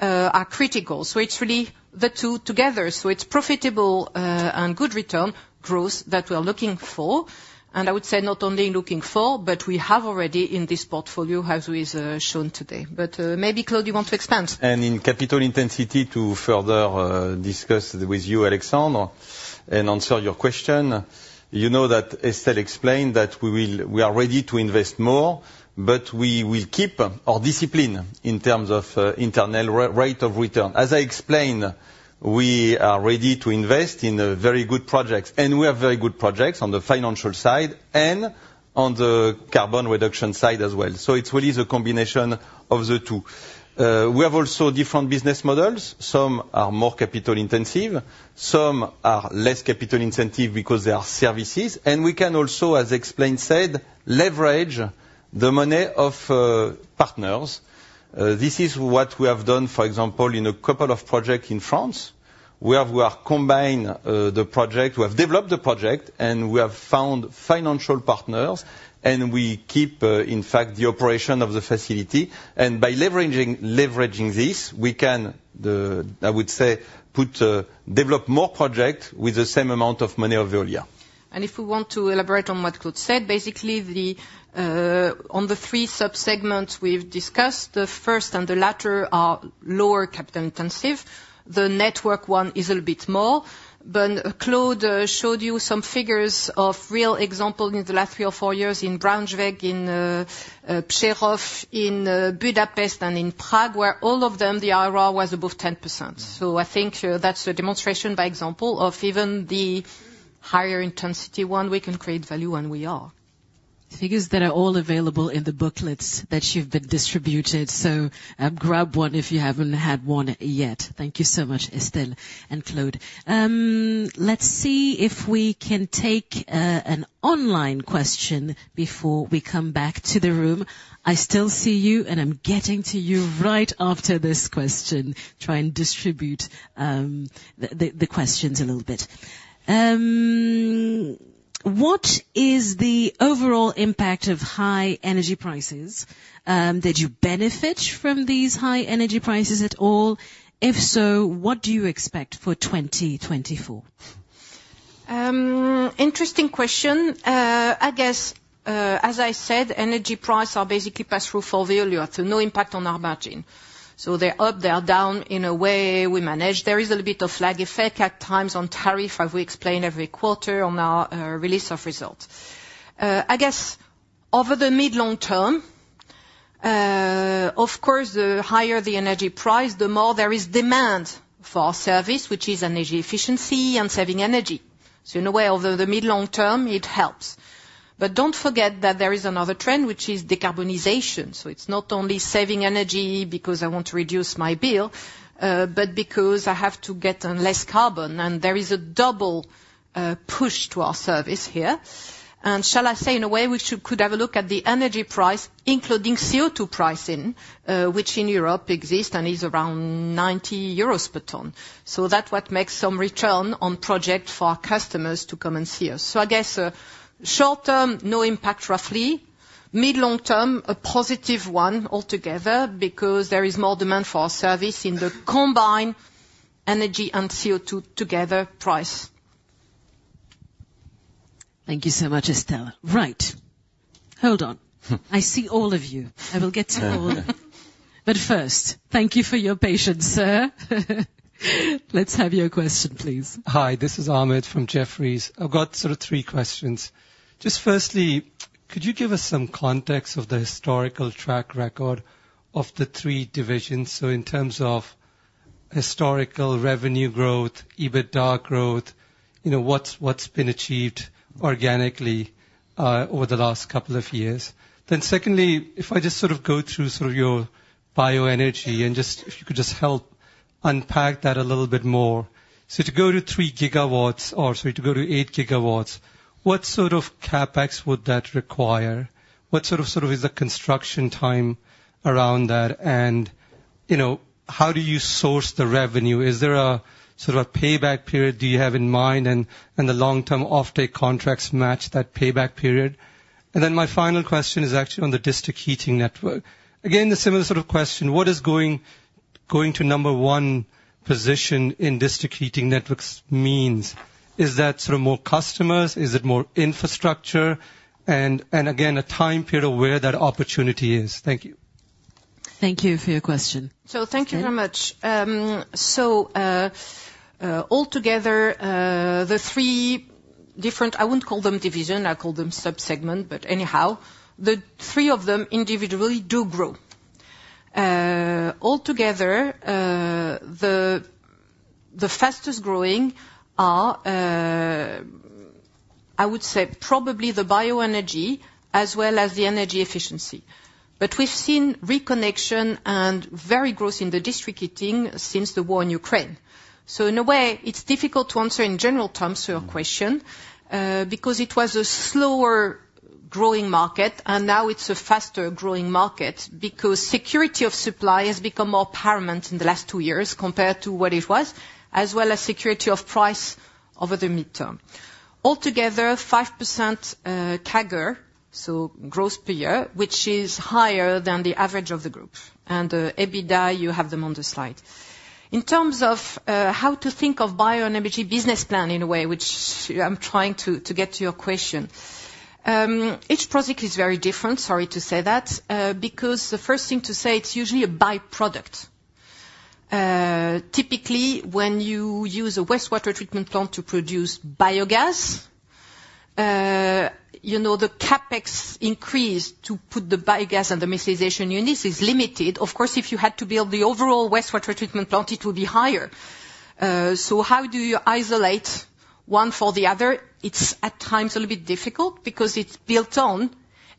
are critical, so it's really the two together. So it's profitable and good return growth that we're looking for, and I would say not only looking for, but we have already in this portfolio, as we've shown today. But maybe, Claude, you want to expand? In capital intensity, to further discuss with you, Alexandre, and answer your question, you know that Estelle explained that we are ready to invest more, but we will keep our discipline in terms of internal rate of return. As I explained, we are ready to invest in very good projects, and we have very good projects on the financial side and on the carbon reduction side as well. So it's really the combination of the two. We have also different business models. Some are more capital intensive, some are less capital intensive because they are services, and we can also, as explained, said, leverage the money of partners. This is what we have done, for example, in a couple of projects in France, where we are combine the project, we have developed the project, and we have found financial partners, and we keep, in fact, the operation of the facility. And by leveraging, leveraging this, we can, the, I would say, put, develop more project with the same amount of money every year. If we want to elaborate on what Claude said, basically, on the three sub-segments we've discussed, the first and the latter are lower capital-intensive. The network one is a bit more, but Claude showed you some figures of real example in the last three or four years in Braunschweig, in Prerov, in Budapest, and in Prague, where all of them, the IRR was above 10%. So I think that's a demonstration by example of even the higher intensity one, we can create value, and we are. Figures that are all available in the booklets that you've been distributed, so, grab one if you haven't had one yet. Thank you so much, Estelle and Claude. Let's see if we can take an online question before we come back to the room. I still see you, and I'm getting to you right after this question. Try and distribute the questions a little bit. What is the overall impact of high energy prices? Did you benefit from these high energy prices at all? If so, what do you expect for 2024? Interesting question. I guess, as I said, energy prices are basically pass-through for the regulator, so no impact on our margin. So they're up, they're down. In a way, we manage. There is a little bit of lag effect at times on tariff, as we explain every quarter on our release of results. I guess over the mid- to long-term, of course, the higher the energy price, the more there is demand for our service, which is energy efficiency and saving energy. So in a way, over the mid- to long-term, it helps. But don't forget that there is another trend, which is decarbonization. So it's not only saving energy because I want to reduce my bill, but because I have to get to less carbon, and there is a double push to our service here. And shall I say, in a way, we could have a look at the energy price, including CO2 pricing, which in Europe exists and is around 90 euros per ton. So that's what makes some return on project for our customers to come and see us. So I guess, short term, no impact, roughly. Mid long term, a positive one altogether, because there is more demand for our service in the combined energy and CO2 together price. Thank you so much, Estelle. Right. Hold on. I will get to all of you. But first, thank you for your patience, sir. Let's have your question, please. Hi, this is Ahmed from Jefferies. I've got sort of three questions. Just firstly, could you give us some context of the historical track record of the three divisions? So in terms of historical revenue growth, EBITDA growth, you know, what's, what's been achieved organically over the last couple of years. Then secondly, if I just sort of go through sort of your bioenergy and just, if you could just help unpack that a little bit more. So to go to 3 GW, or sorry to go to 8 GW, what sort of CapEx would that require? What sort of, sort of, is the construction time around that? And, you know, how do you source the revenue? Is there a, sort of a payback period do you have in mind, and, and the long-term offtake contracts match that payback period? Then my final question is actually on the district heating network. Again, the similar sort of question: What is going to number one position in district heating networks means? Is that sort of more customers? Is it more infrastructure? And again, a time period of where that opportunity is. Thank you. Thank you for your question. So thank you very much. Altogether, the three different. I wouldn't call them division, I call them sub-segment, but anyhow, the three of them individually do grow. Altogether, the fastest growing are, I would say, probably the bioenergy as well as the energy efficiency. But we've seen reconnection and very growth in the district heating since the war in Ukraine. So in a way, it's difficult to answer in general terms to your question, because it was a slower-growing market, and now it's a faster-growing market, because security of supply has become more paramount in the last two years compared to what it was, as well as security of price over the midterm. Altogether, 5%, CAGR, so growth per year, which is higher than the average of the group. EBITDA, you have them on the slide. In terms of how to think of bioenergy business plan in a way, which I'm trying to get to your question. Each project is very different, sorry to say that, because the first thing to say, it's usually a by-product. Typically, when you use a wastewater treatment plant to produce biogas, you know, the CapEx increase to put the biogas and the utilization units is limited. Of course, if you had to build the overall wastewater treatment plant, it will be higher. So how do you isolate one for the other, it's at times a little bit difficult because it's built on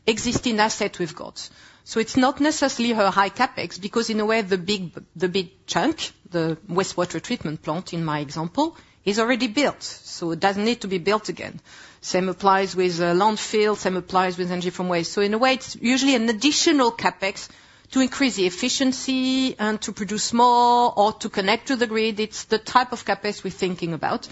existing asset we've got. So it's not necessarily a high CapEx, because in a way, the big, the big chunk, the wastewater treatment plant, in my example, is already built, so it doesn't need to be built again. Same applies with landfill, same applies with energy from waste. So in a way, it's usually an additional CapEx to increase the efficiency and to produce more or to connect to the grid. It's the type of CapEx we're thinking about.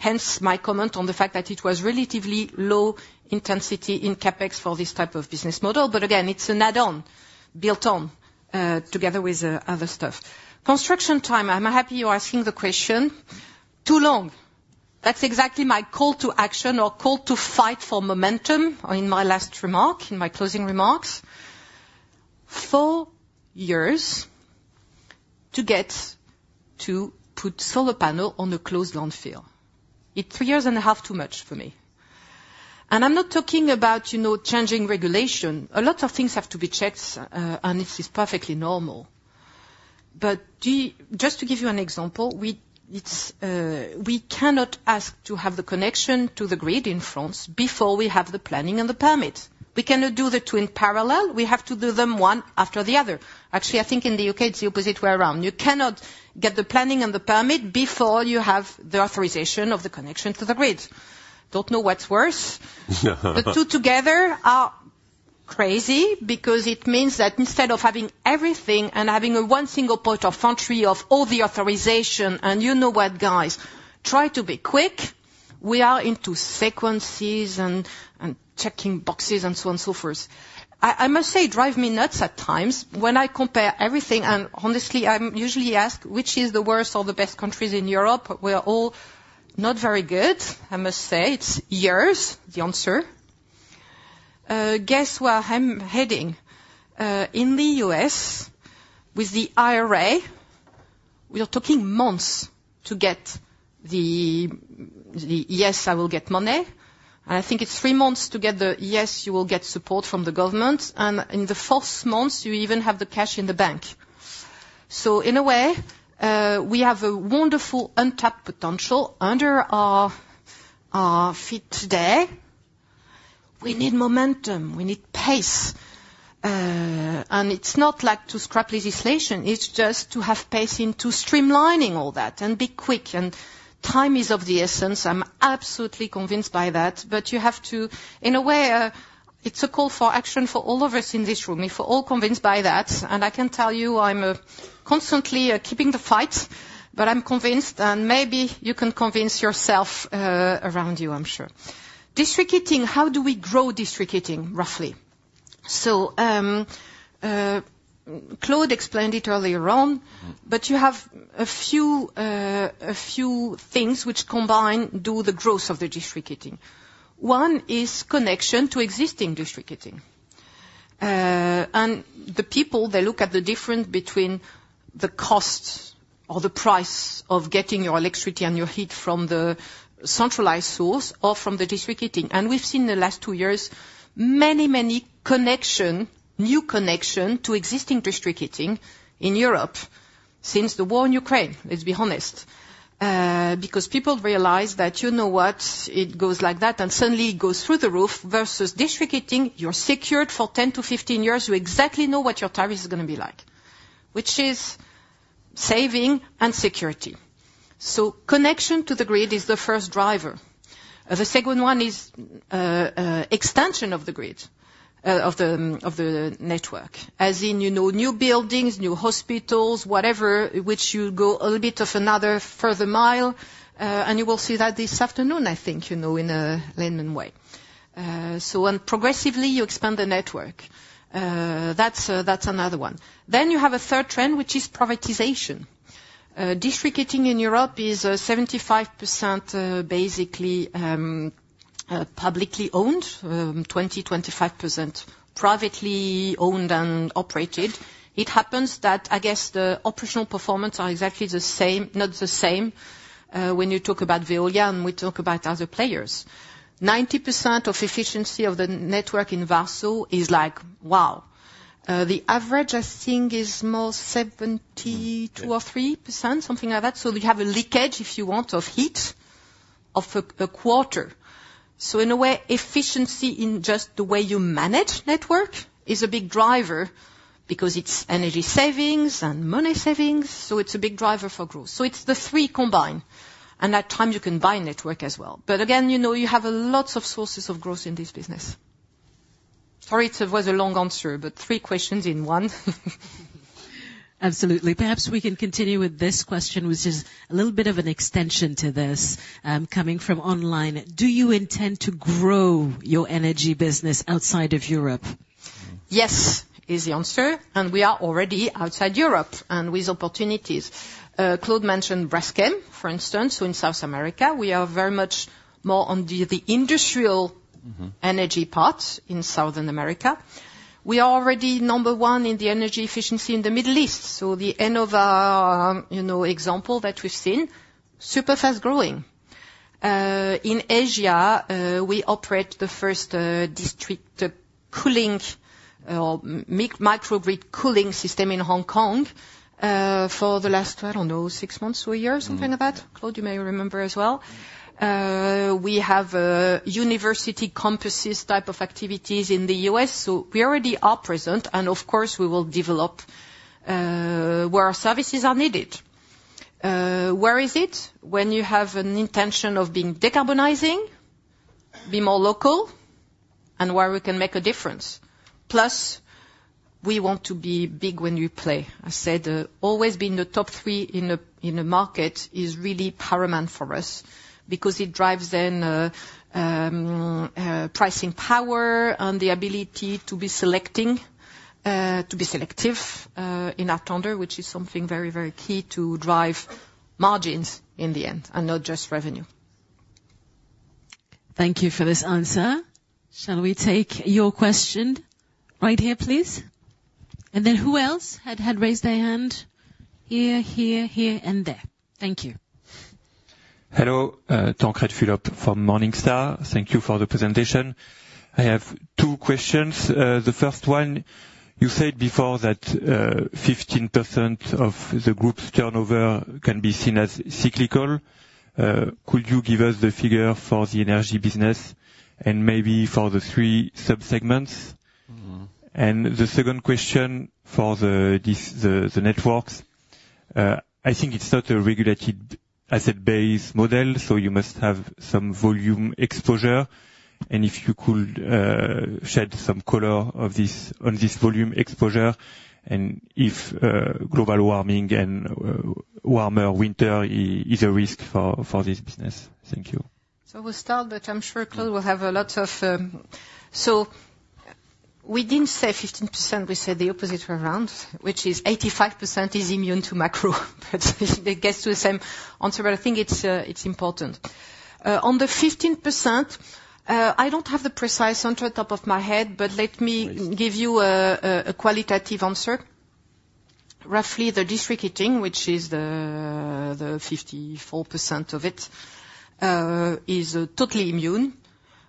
Hence my comment on the fact that it was relatively low intensity in CapEx for this type of business model. But again, it's an add-on, built on together with other stuff. Construction time. I'm happy you're asking the question. Too long. That's exactly my call to action or call to fight for momentum in my last remark, in my closing remarks. 4 years to get to put solar panel on a closed landfill. It's 3 years and a half too much for me. And I'm not talking about, you know, changing regulation. A lot of things have to be checked, and this is perfectly normal. But just to give you an example, we cannot ask to have the connection to the grid in France before we have the planning and the permit. We cannot do the two in parallel. We have to do them one after the other. Actually, I think in the U.K., it's the opposite way around. You cannot get the planning and the permit before you have the authorization of the connection to the grid. Don't know what's worse. But two together are crazy because it means that instead of having everything and having a one single port of entry of all the authorization, and you know what, guys? Try to be quick. We are into sequences and checking boxes and so on and so forth. I must say, it drives me nuts at times when I compare everything, and honestly, I'm usually asked, "Which is the worst or the best countries in Europe?" We are all not very good, I must say. It's years, the answer. Guess where I'm heading? In the U.S., with the IRA, we are talking months to get the yes, I will get money. I think it's three months to get the yes, you will get support from the government, and in the fourth month, you even have the cash in the bank. So in a way, we have a wonderful, untapped potential under our feet today. We need momentum, we need pace. And it's not like to scrap legislation, it's just to have pace into streamlining all that and be quick, and time is of the essence. I'm absolutely convinced by that. But you have to... In a way, it's a call for action for all of us in this room, if we're all convinced by that. And I can tell you, I'm constantly keeping the fight, but I'm convinced, and maybe you can convince yourself, around you, I'm sure. District heating, how do we grow district heating, roughly? So, Claude explained it earlier on, but you have a few, a few things which combine, do the growth of the district heating. One is connection to existing district heating. And the people, they look at the difference between the cost or the price of getting your electricity and your heat from the centralized source or from the district heating. We've seen the last two years, many, many connections, new connections to existing district heating in Europe since the war in Ukraine, let's be honest. Because people realize that, you know what? It goes like that, and suddenly it goes through the roof. Versus district heating, you're secured for 10-15 years. You exactly know what your tariff is gonna be like, which is saving and security. So connection to the grid is the first driver. The second one is extension of the grid, of the network. As in, you know, new buildings, new hospitals, whatever, which you go a little bit of another further mile, and you will see that this afternoon, I think, you know, in a layman way. So when progressively you expand the network, that's another one. Then you have a third trend, which is privatization. District heating in Europe is 75%, basically, publicly owned, 25% privately owned and operated. It happens that, I guess, the operational performance are exactly the same, not the same, when you talk about Veolia, and we talk about other players. 90% of efficiency of the network in Warsaw is like, wow! The average, I think, is more 72% or 73%, something like that. So we have a leakage, if you want, of heat of a quarter. So in a way, efficiency in just the way you manage network is a big driver because it's energy savings and money savings, so it's a big driver for growth. So it's the three combined, and at times, you can buy network as well. But again, you know, you have a lot of sources of growth in this business. Sorry, it was a long answer, but three questions in one. Absolutely. Perhaps we can continue with this question, which is a little bit of an extension to this, coming from online: Do you intend to grow your energy business outside of Europe? Yes, is the answer, and we are already outside Europe, and with opportunities. Claude mentioned Braskem, for instance, so in South America, we are very much more on the industrial energy part in South America. We are already number one in the energy efficiency in the Middle East. So Enova, you know, example that we've seen, super-fast growing. In Asia, we operate the first district cooling microgrid cooling system in Hong Kong for the last, I don't know, six months to a year or something like that? Claude, you may remember as well. We have university campuses type of activities in the U.S., so we already are present, and of course, we will develop where our services are needed. Where is it? When you have an intention of being decarbonizing, be more local, and where we can make a difference. Plus, we want to be big when you play. I said, always being the top three in a market is really paramount for us, because it drives then pricing power and the ability to be selecting, to be selective, in our tender, which is something very, very key to drive margins in the end, and not just revenue. Thank you for this answer. Shall we take your question right here, please? And then who else had raised their hand? Here, here, here, and there. Thank you. Hello, Tancrède Fulop from Morningstar. Thank you for the presentation. I have two questions. The first one, you said before that, 15% of the group's turnover can be seen as cyclical. Could you give us the figure for the energy business, and maybe for the three sub-segments? And the second question for the networks. I think it's not a regulated asset base model, so you must have some volume exposure. And if you could shed some color on this volume exposure, and if global warming and warmer winter is a risk for this business. Thank you. So we'll start, but I'm sure Claude will have a lot of. So we didn't say 15%, we said the opposite way around, which is 85% is immune to macro. But it gets to the same answer, but I think it's important. On the 15%, I don't have the precise answer on top of my head, but let me- Please. Give you a qualitative answer. Roughly, the district heating, which is the 54% of it, is totally immune.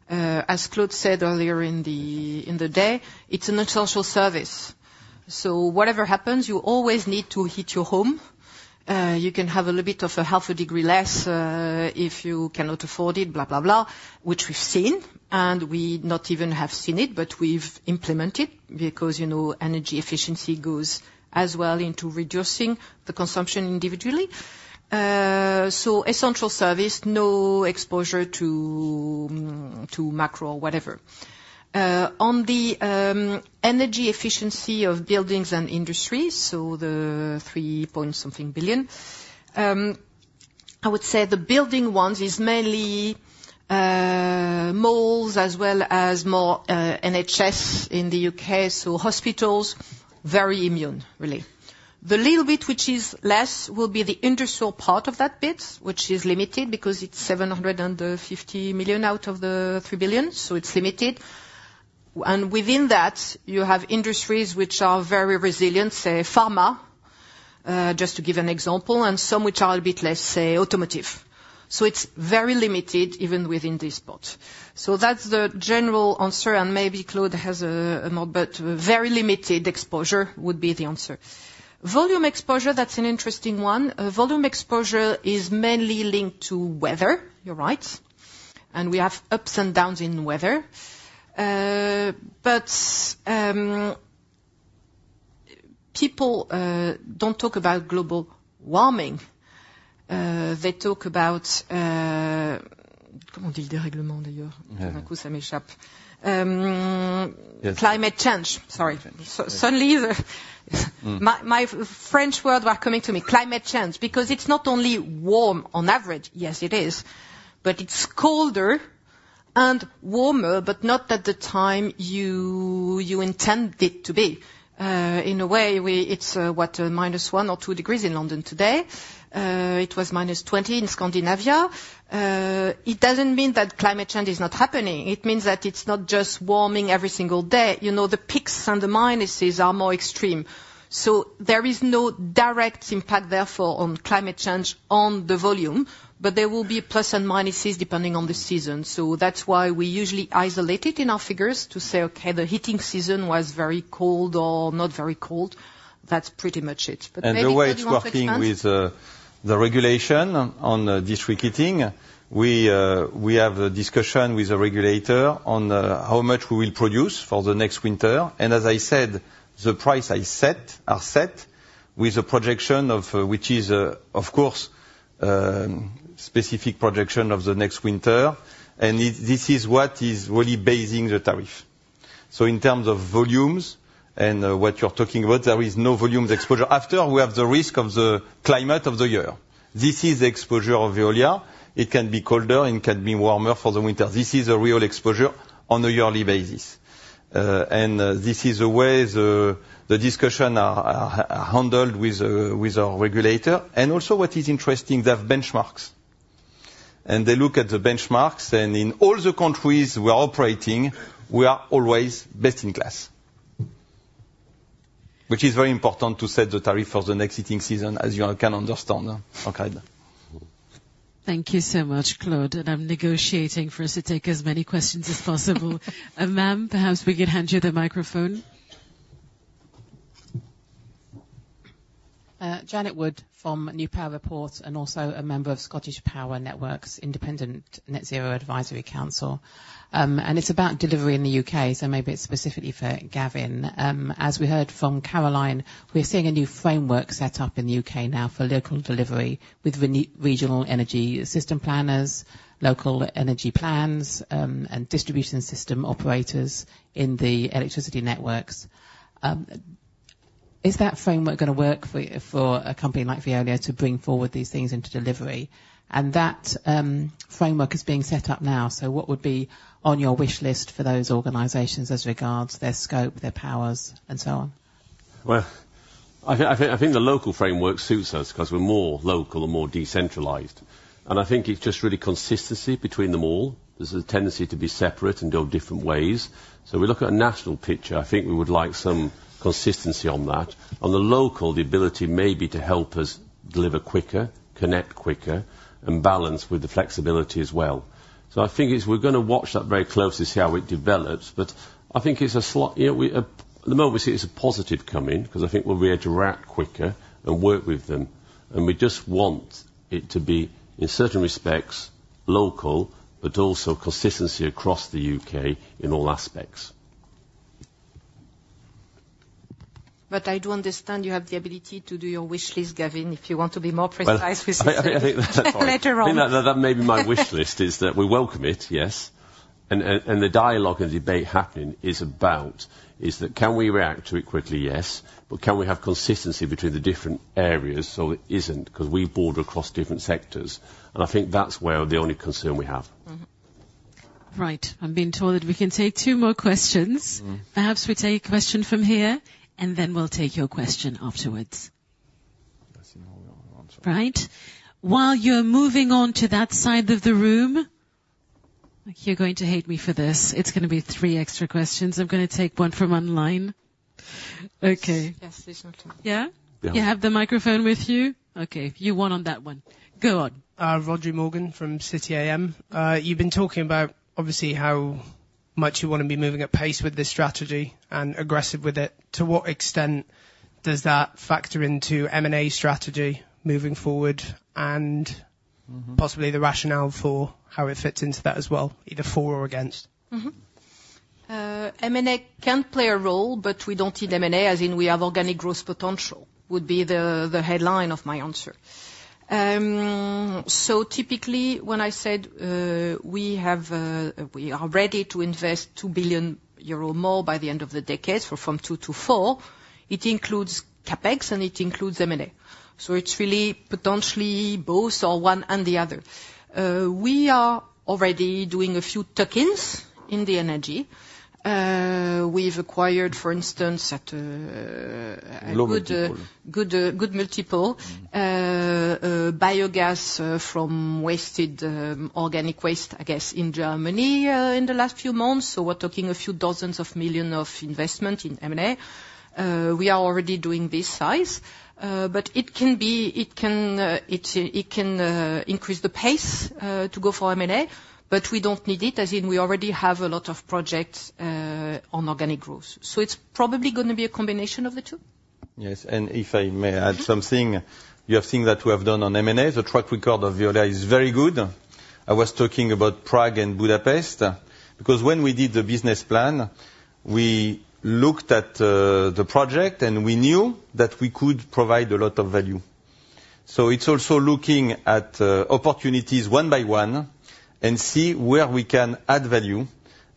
As Claude said earlier in the day, it's an essential service, so whatever happens, you always need to heat your home. You can have a little bit of a half a degree less, if you cannot afford it, blah, blah, blah, which we've seen, and we not even have seen it, but we've implemented, because, you know, energy efficiency goes as well into reducing the consumption individually. So essential service, no exposure to macro or whatever. On the energy efficiency of buildings and industries, so the EUR 3.something billion, I would say the building ones is mainly malls as well as more NHS in the U.K., so hospitals, very immune, really. The little bit which is less will be the industrial part of that bit, which is limited because it's 750 million out of the 3 billion, so it's limited. And within that, you have industries which are very resilient, say pharma, just to give an example, and some which are a bit less, say, automotive. So it's very limited, even within this spot. So that's the general answer, and maybe Claude has more, but very limited exposure would be the answer. Volume exposure, that's an interesting one. Volume exposure is mainly linked to weather, you're right. And we have ups and downs in weather. But people don't talk about global warming. They talk about, climate change. Sorry. Suddenly, my French word were coming to me. Climate change, because it's not only warm on average. Yes, it is, but it's colder and warmer, but not at the time you intend it to be. In a way, it's what, -1 or 2 degrees in London today. It was -20 in Scandinavia. It doesn't mean that climate change is not happening. It means that it's not just warming every single day. You know, the peaks and the minuses are more extreme. So there is no direct impact, therefore, on climate change on the volume, but there will be plus and minuses depending on the season. So that's why we usually isolate it in our figures to say, "Okay, the heating season was very cold or not very cold." That's pretty much it. But maybe you want to expand? The way it's working with the regulation on district heating, we have a discussion with the regulator on how much we will produce for the next winter. And as I said, the price I set are set with a projection of which is of course specific projection of the next winter, and this this is what is really basing the tariff. So in terms of volumes and what you're talking about, there is no volume exposure. After, we have the risk of the climate of the year. This is the exposure of Veolia. It can be colder and can be warmer for the winter. This is a real exposure on a yearly basis. And this is the way the discussion are handled with our regulator. Also what is interesting, they have benchmarks, and they look at the benchmarks, and in all the countries we are operating, we are always best-in-class. Which is very important to set the tariff for the next heating season, as you all can understand. Okay. Thank you so much, Claude, and I'm negotiating for us to take as many questions as possible. Ma'am, perhaps we could hand you the microphone. Janet Wood from New Power Reports, and also a member of ScottishPower Networks' Independent Net Zero Advisory Council. It's about delivery in the U.K., so maybe it's specifically for Gavin. As we heard from Caroline, we're seeing a new framework set up in the U.K. now for local delivery with regional energy system planners, local energy plans, and distribution system operators in the electricity networks. Is that framework gonna work for a company like Veolia to bring forward these things into delivery? That framework is being set up now, so what would be on your wish list for those organizations as regards their scope, their powers, and so on? Well, I think, I think the local framework suits us 'cause we're more local and more decentralized. I think it's just really consistency between them all. There's a tendency to be separate and go different ways. We look at a national picture, I think we would like some consistency on that. On the local, the ability maybe to help us deliver quicker, connect quicker, and balance with the flexibility as well. I think it's, we're gonna watch that very closely to see how it develops, but I think it's a slight... Yeah, we, at the moment we see it as a positive coming, 'cause I think we'll be able to react quicker and work with them. We just want it to be, in certain respects, local, but also consistency across the U.K. in all aspects. But I do understand you have the ability to do your wish list, Gavin, if you want to be more precise with this- Well, I think- Later on. That may be my wish list, is that we welcome it, yes. And the dialogue and debate happening is about, is that can we react to it quickly? Yes. But can we have consistency between the different areas, so it isn't... 'Cause we border across different sectors, and I think that's where the only concern we have. Right. I've been told that we can take two more questions. Perhaps we take a question from here, and then we'll take your question afterwards. Right. While you're moving on to that side of the room, you're going to hate me for this, it's gonna be three extra questions. I'm gonna take one from online. Okay. Yes, there's no time. Yeah? Yeah. You have the microphone with you? Okay, you won on that one. Go on. Rhodri Morgan from City A.M. You've been talking about, obviously, how much you wanna be moving at pace with this strategy and aggressive with it. To what extent does that factor into M&A strategy moving forward? And possibly the rationale for how it fits into that as well, either for or against. M&A can play a role, but we don't need M&A, as in we have organic growth potential, would be the headline of my answer. So typically, when I said, we have, we are ready to invest 2 billion euro more by the end of the decade, so from 2 to 4, it includes CapEx, and it includes M&A. So it's really potentially both or one and the other. We are already doing a few tuck-ins in the energy. We've acquired, for instance, at, Low multiple... a good multiple, biogas from wasted organic waste, I guess, in Germany, in the last few months. So we're talking a few dozen million EUR of investment in M&A. We are already doing this size, but it can increase the pace to go for M&A, but we don't need it, as in we already have a lot of projects on organic growth. So it's probably gonna be a combination of the two. Yes, and if I may add something you have seen that we have done on M&A, the track record of Veolia is very good. I was talking about Prague and Budapest, because when we did the business plan, we looked at the project, and we knew that we could provide a lot of value. So it's also looking at opportunities one by one, and see where we can add value.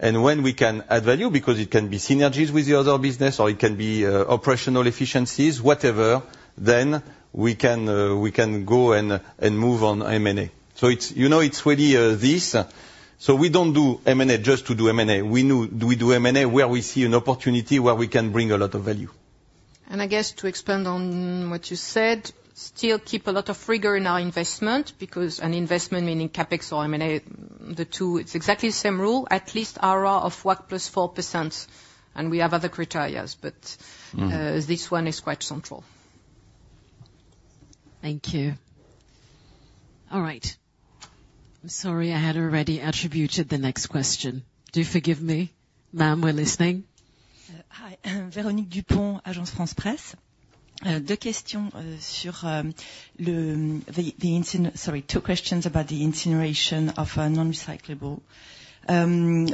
And when we can add value, because it can be synergies with the other business, or it can be operational efficiencies, whatever, then we can go and move on M&A. So it's, you know, it's really this. So we don't do M&A just to do M&A. We know- We do M&A where we see an opportunity where we can bring a lot of value. I guess to expand on what you said, still keep a lot of rigor in our investment, because an investment, meaning CapEx or M&A, the two, it's exactly the same rule, at least IRR of WACC +4%, and we have other criteria. But, this one is quite central. Thank you. All right. I'm sorry, I had already attributed the next question. Do you forgive me? Ma'am, we're listening. Hi. Véronique Dupont, Agence France-Presse. Two questions about the incineration of non-recyclable.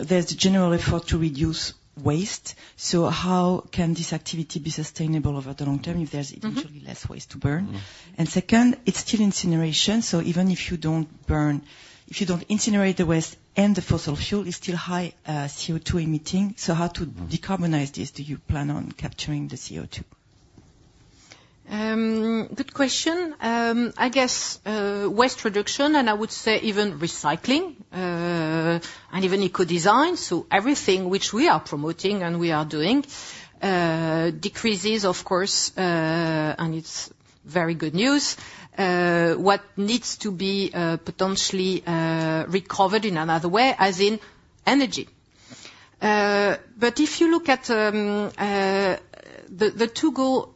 There's a general effort to reduce waste, so how can this activity be sustainable over the long term if there's eventually less waste to burn? And second, it's still incineration, so even if you don't burn, if you don't incinerate the waste, and the fossil fuel is still high, CO2 emitting, so how to decarbonize this? Do you plan on capturing the CO2? Good question. I guess, waste reduction, and I would say even recycling, and even eco-design, so everything which we are promoting and we are doing, decreases, of course, and it's very good news, what needs to be, potentially, recovered in another way, as in energy. But if you look at, the two go alongside,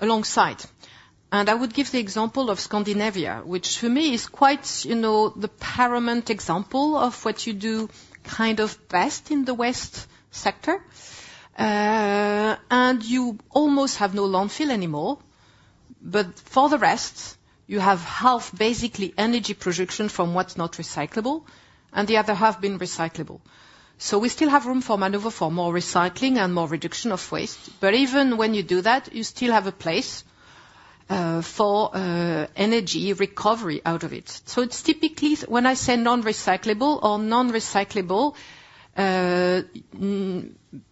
and I would give the example of Scandinavia, which to me is quite, you know, the paramount example of what you do kind of best in the waste sector. And you almost have no landfill anymore. But for the rest, you have half basically energy production from what's not recyclable, and the other half been recyclable. So we still have room for maneuver, for more recycling and more reduction of waste. Even when you do that, you still have a place for energy recovery out of it. It's typically when I say non-recyclable or non-recyclable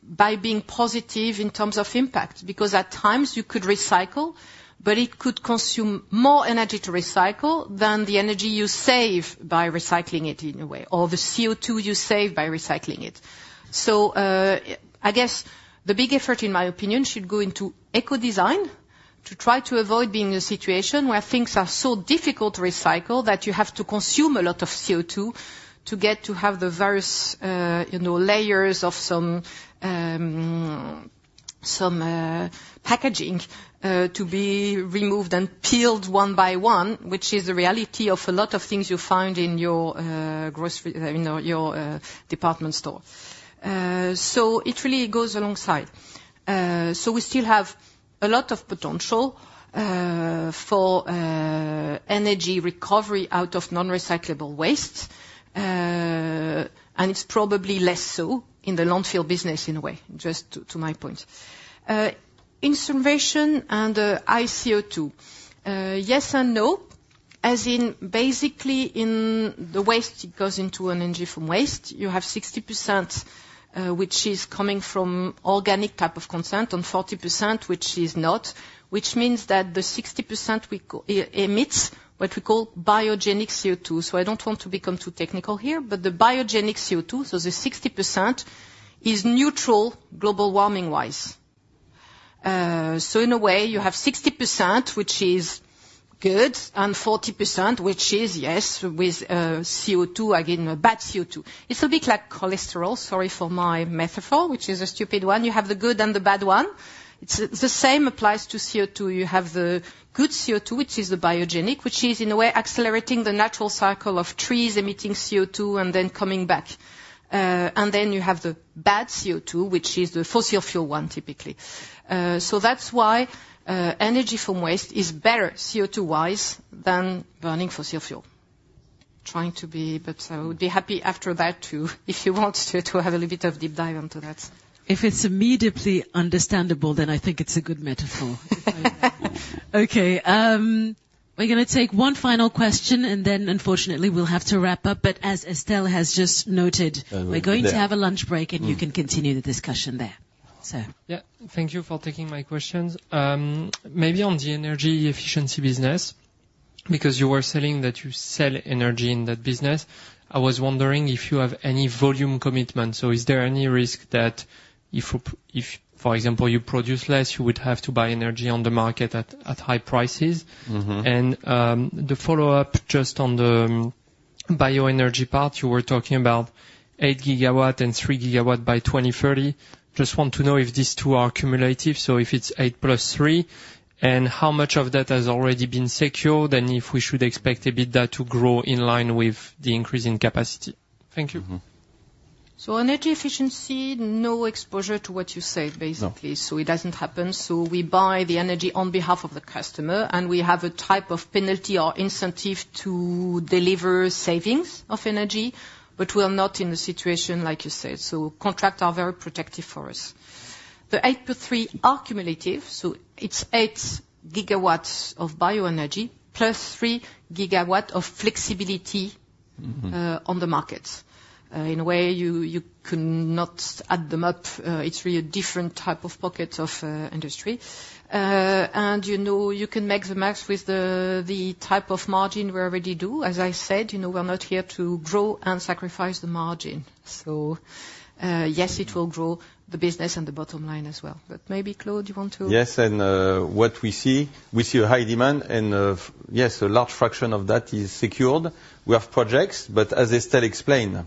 by being positive in terms of impact, because at times you could recycle, but it could consume more energy to recycle than the energy you save by recycling it, in a way, or the CO2 you save by recycling it. So, I guess the big effort, in my opinion, should go into eco-design, to try to avoid being in a situation where things are so difficult to recycle, that you have to consume a lot of CO2 to get to have the various, you know, layers of some packaging to be removed and peeled one by one, which is the reality of a lot of things you find in your grocery—in your department store. So it really goes alongside. So we still have a lot of potential for energy recovery out of non-recyclable waste, and it's probably less so in the landfill business, in a way, just to my point. Incineration and CO2. Yes and no, as in basically in the waste, it goes into an energy from waste. You have 60%, which is coming from organic type of content, and 40%, which is not, which means that the 60% emits what we call biogenic CO2. So I don't want to become too technical here, but the biogenic CO2, so the 60%, is neutral, global warming-wise. So in a way, you have 60%, which is good, and 40%, which is, yes, with CO2, again, a bad CO2. It's a bit like cholesterol, sorry for my metaphor, which is a stupid one. You have the good and the bad one. It's. The same applies to CO2. You have the good CO2, which is the biogenic, which is, in a way, accelerating the natural cycle of trees emitting CO2 and then coming back. And then you have the bad CO2, which is the fossil fuel one, typically. So that's why energy from waste is better CO2-wise than burning fossil fuel. Trying to be, but I would be happy after that, too, if you want to have a little bit of deep dive into that. If it's immediately understandable, then I think it's a good metaphor. Okay, we're gonna take one final question, and then, unfortunately, we'll have to wrap up. But as Estelle has just noted, we're going to have a lunch break, and you can continue the discussion there. Sir? Yeah. Thank you for taking my questions. Maybe on the energy efficiency business, because you were saying that you sell energy in that business, I was wondering if you have any volume commitment. Is there any risk that if, for example, you produce less, you would have to buy energy on the market at high prices? The follow-up, just on the bioenergy part, you were talking about 8 GW and 3 GW by 2030. Just want to know if these two are cumulative, so if it's 8 GW + 3 GW, and how much of that has already been secured, and if we should expect a bit of that to grow in line with the increase in capacity? Thank you. Energy efficiency, no exposure to what you said, basically. No. So it doesn't happen. So we buy the energy on behalf of the customer, and we have a type of penalty or incentive to deliver savings of energy, but we are not in a situation like you said. So contracts are very protective for us. The 8 GW to 3 GW are cumulative, so it's 8 GW of bioenergy+ 3 GW of flexibility on the market. In a way, you cannot add them up. It's really a different type of pocket of industry. And you know, you can make the max with the type of margin we already do. As I said, you know, we're not here to grow and sacrifice the margin. So yes, it will grow the business and the bottom line as well. But maybe, Claude, you want to- Yes, and what we see, we see a high demand and, yes, a large fraction of that is secured. We have projects, but as Estelle explained,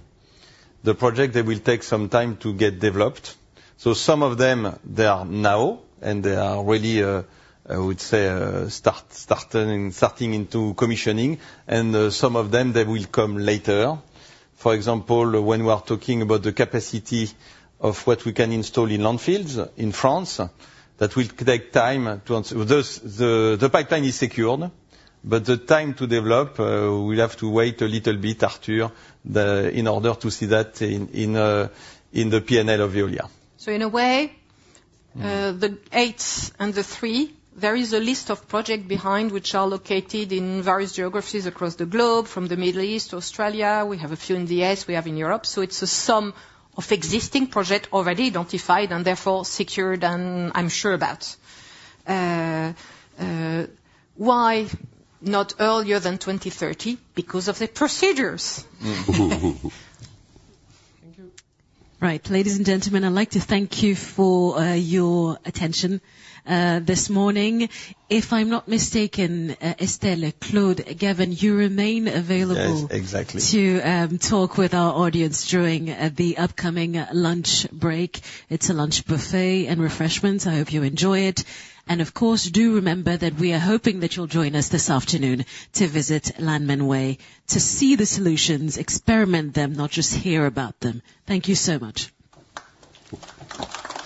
the project, they will take some time to get developed. So some of them, they are now, and they are really, I would say, starting into commissioning, and some of them, they will come later. For example, when we are talking about the capacity of what we can install in landfills in France, that will take time to answer. The pipeline is secured, but the time to develop, we'll have to wait a little bit, Arthur, in order to see that in the P&L of Veolia. So in a way the 8s and the 3, there is a list of projects behind which are located in various geographies across the globe, from the Middle East to Australia. We have a few in the U.S., we have in Europe, so it's a sum of existing projects already identified and therefore secured, and I'm sure about. Why not earlier than 2030? Because of the procedures. Thank you. Right. Ladies and gentlemen, I'd like to thank you for your attention this morning. If I'm not mistaken, Estelle, Claude, Gavin, you remain available- Yes, exactly. to talk with our audience during the upcoming lunch break. It's a lunch buffet and refreshments. I hope you enjoy it. And of course, do remember that we are hoping that you'll join us this afternoon to visit Landmann Way to see the solutions, experiment them, not just hear about them. Thank you so much.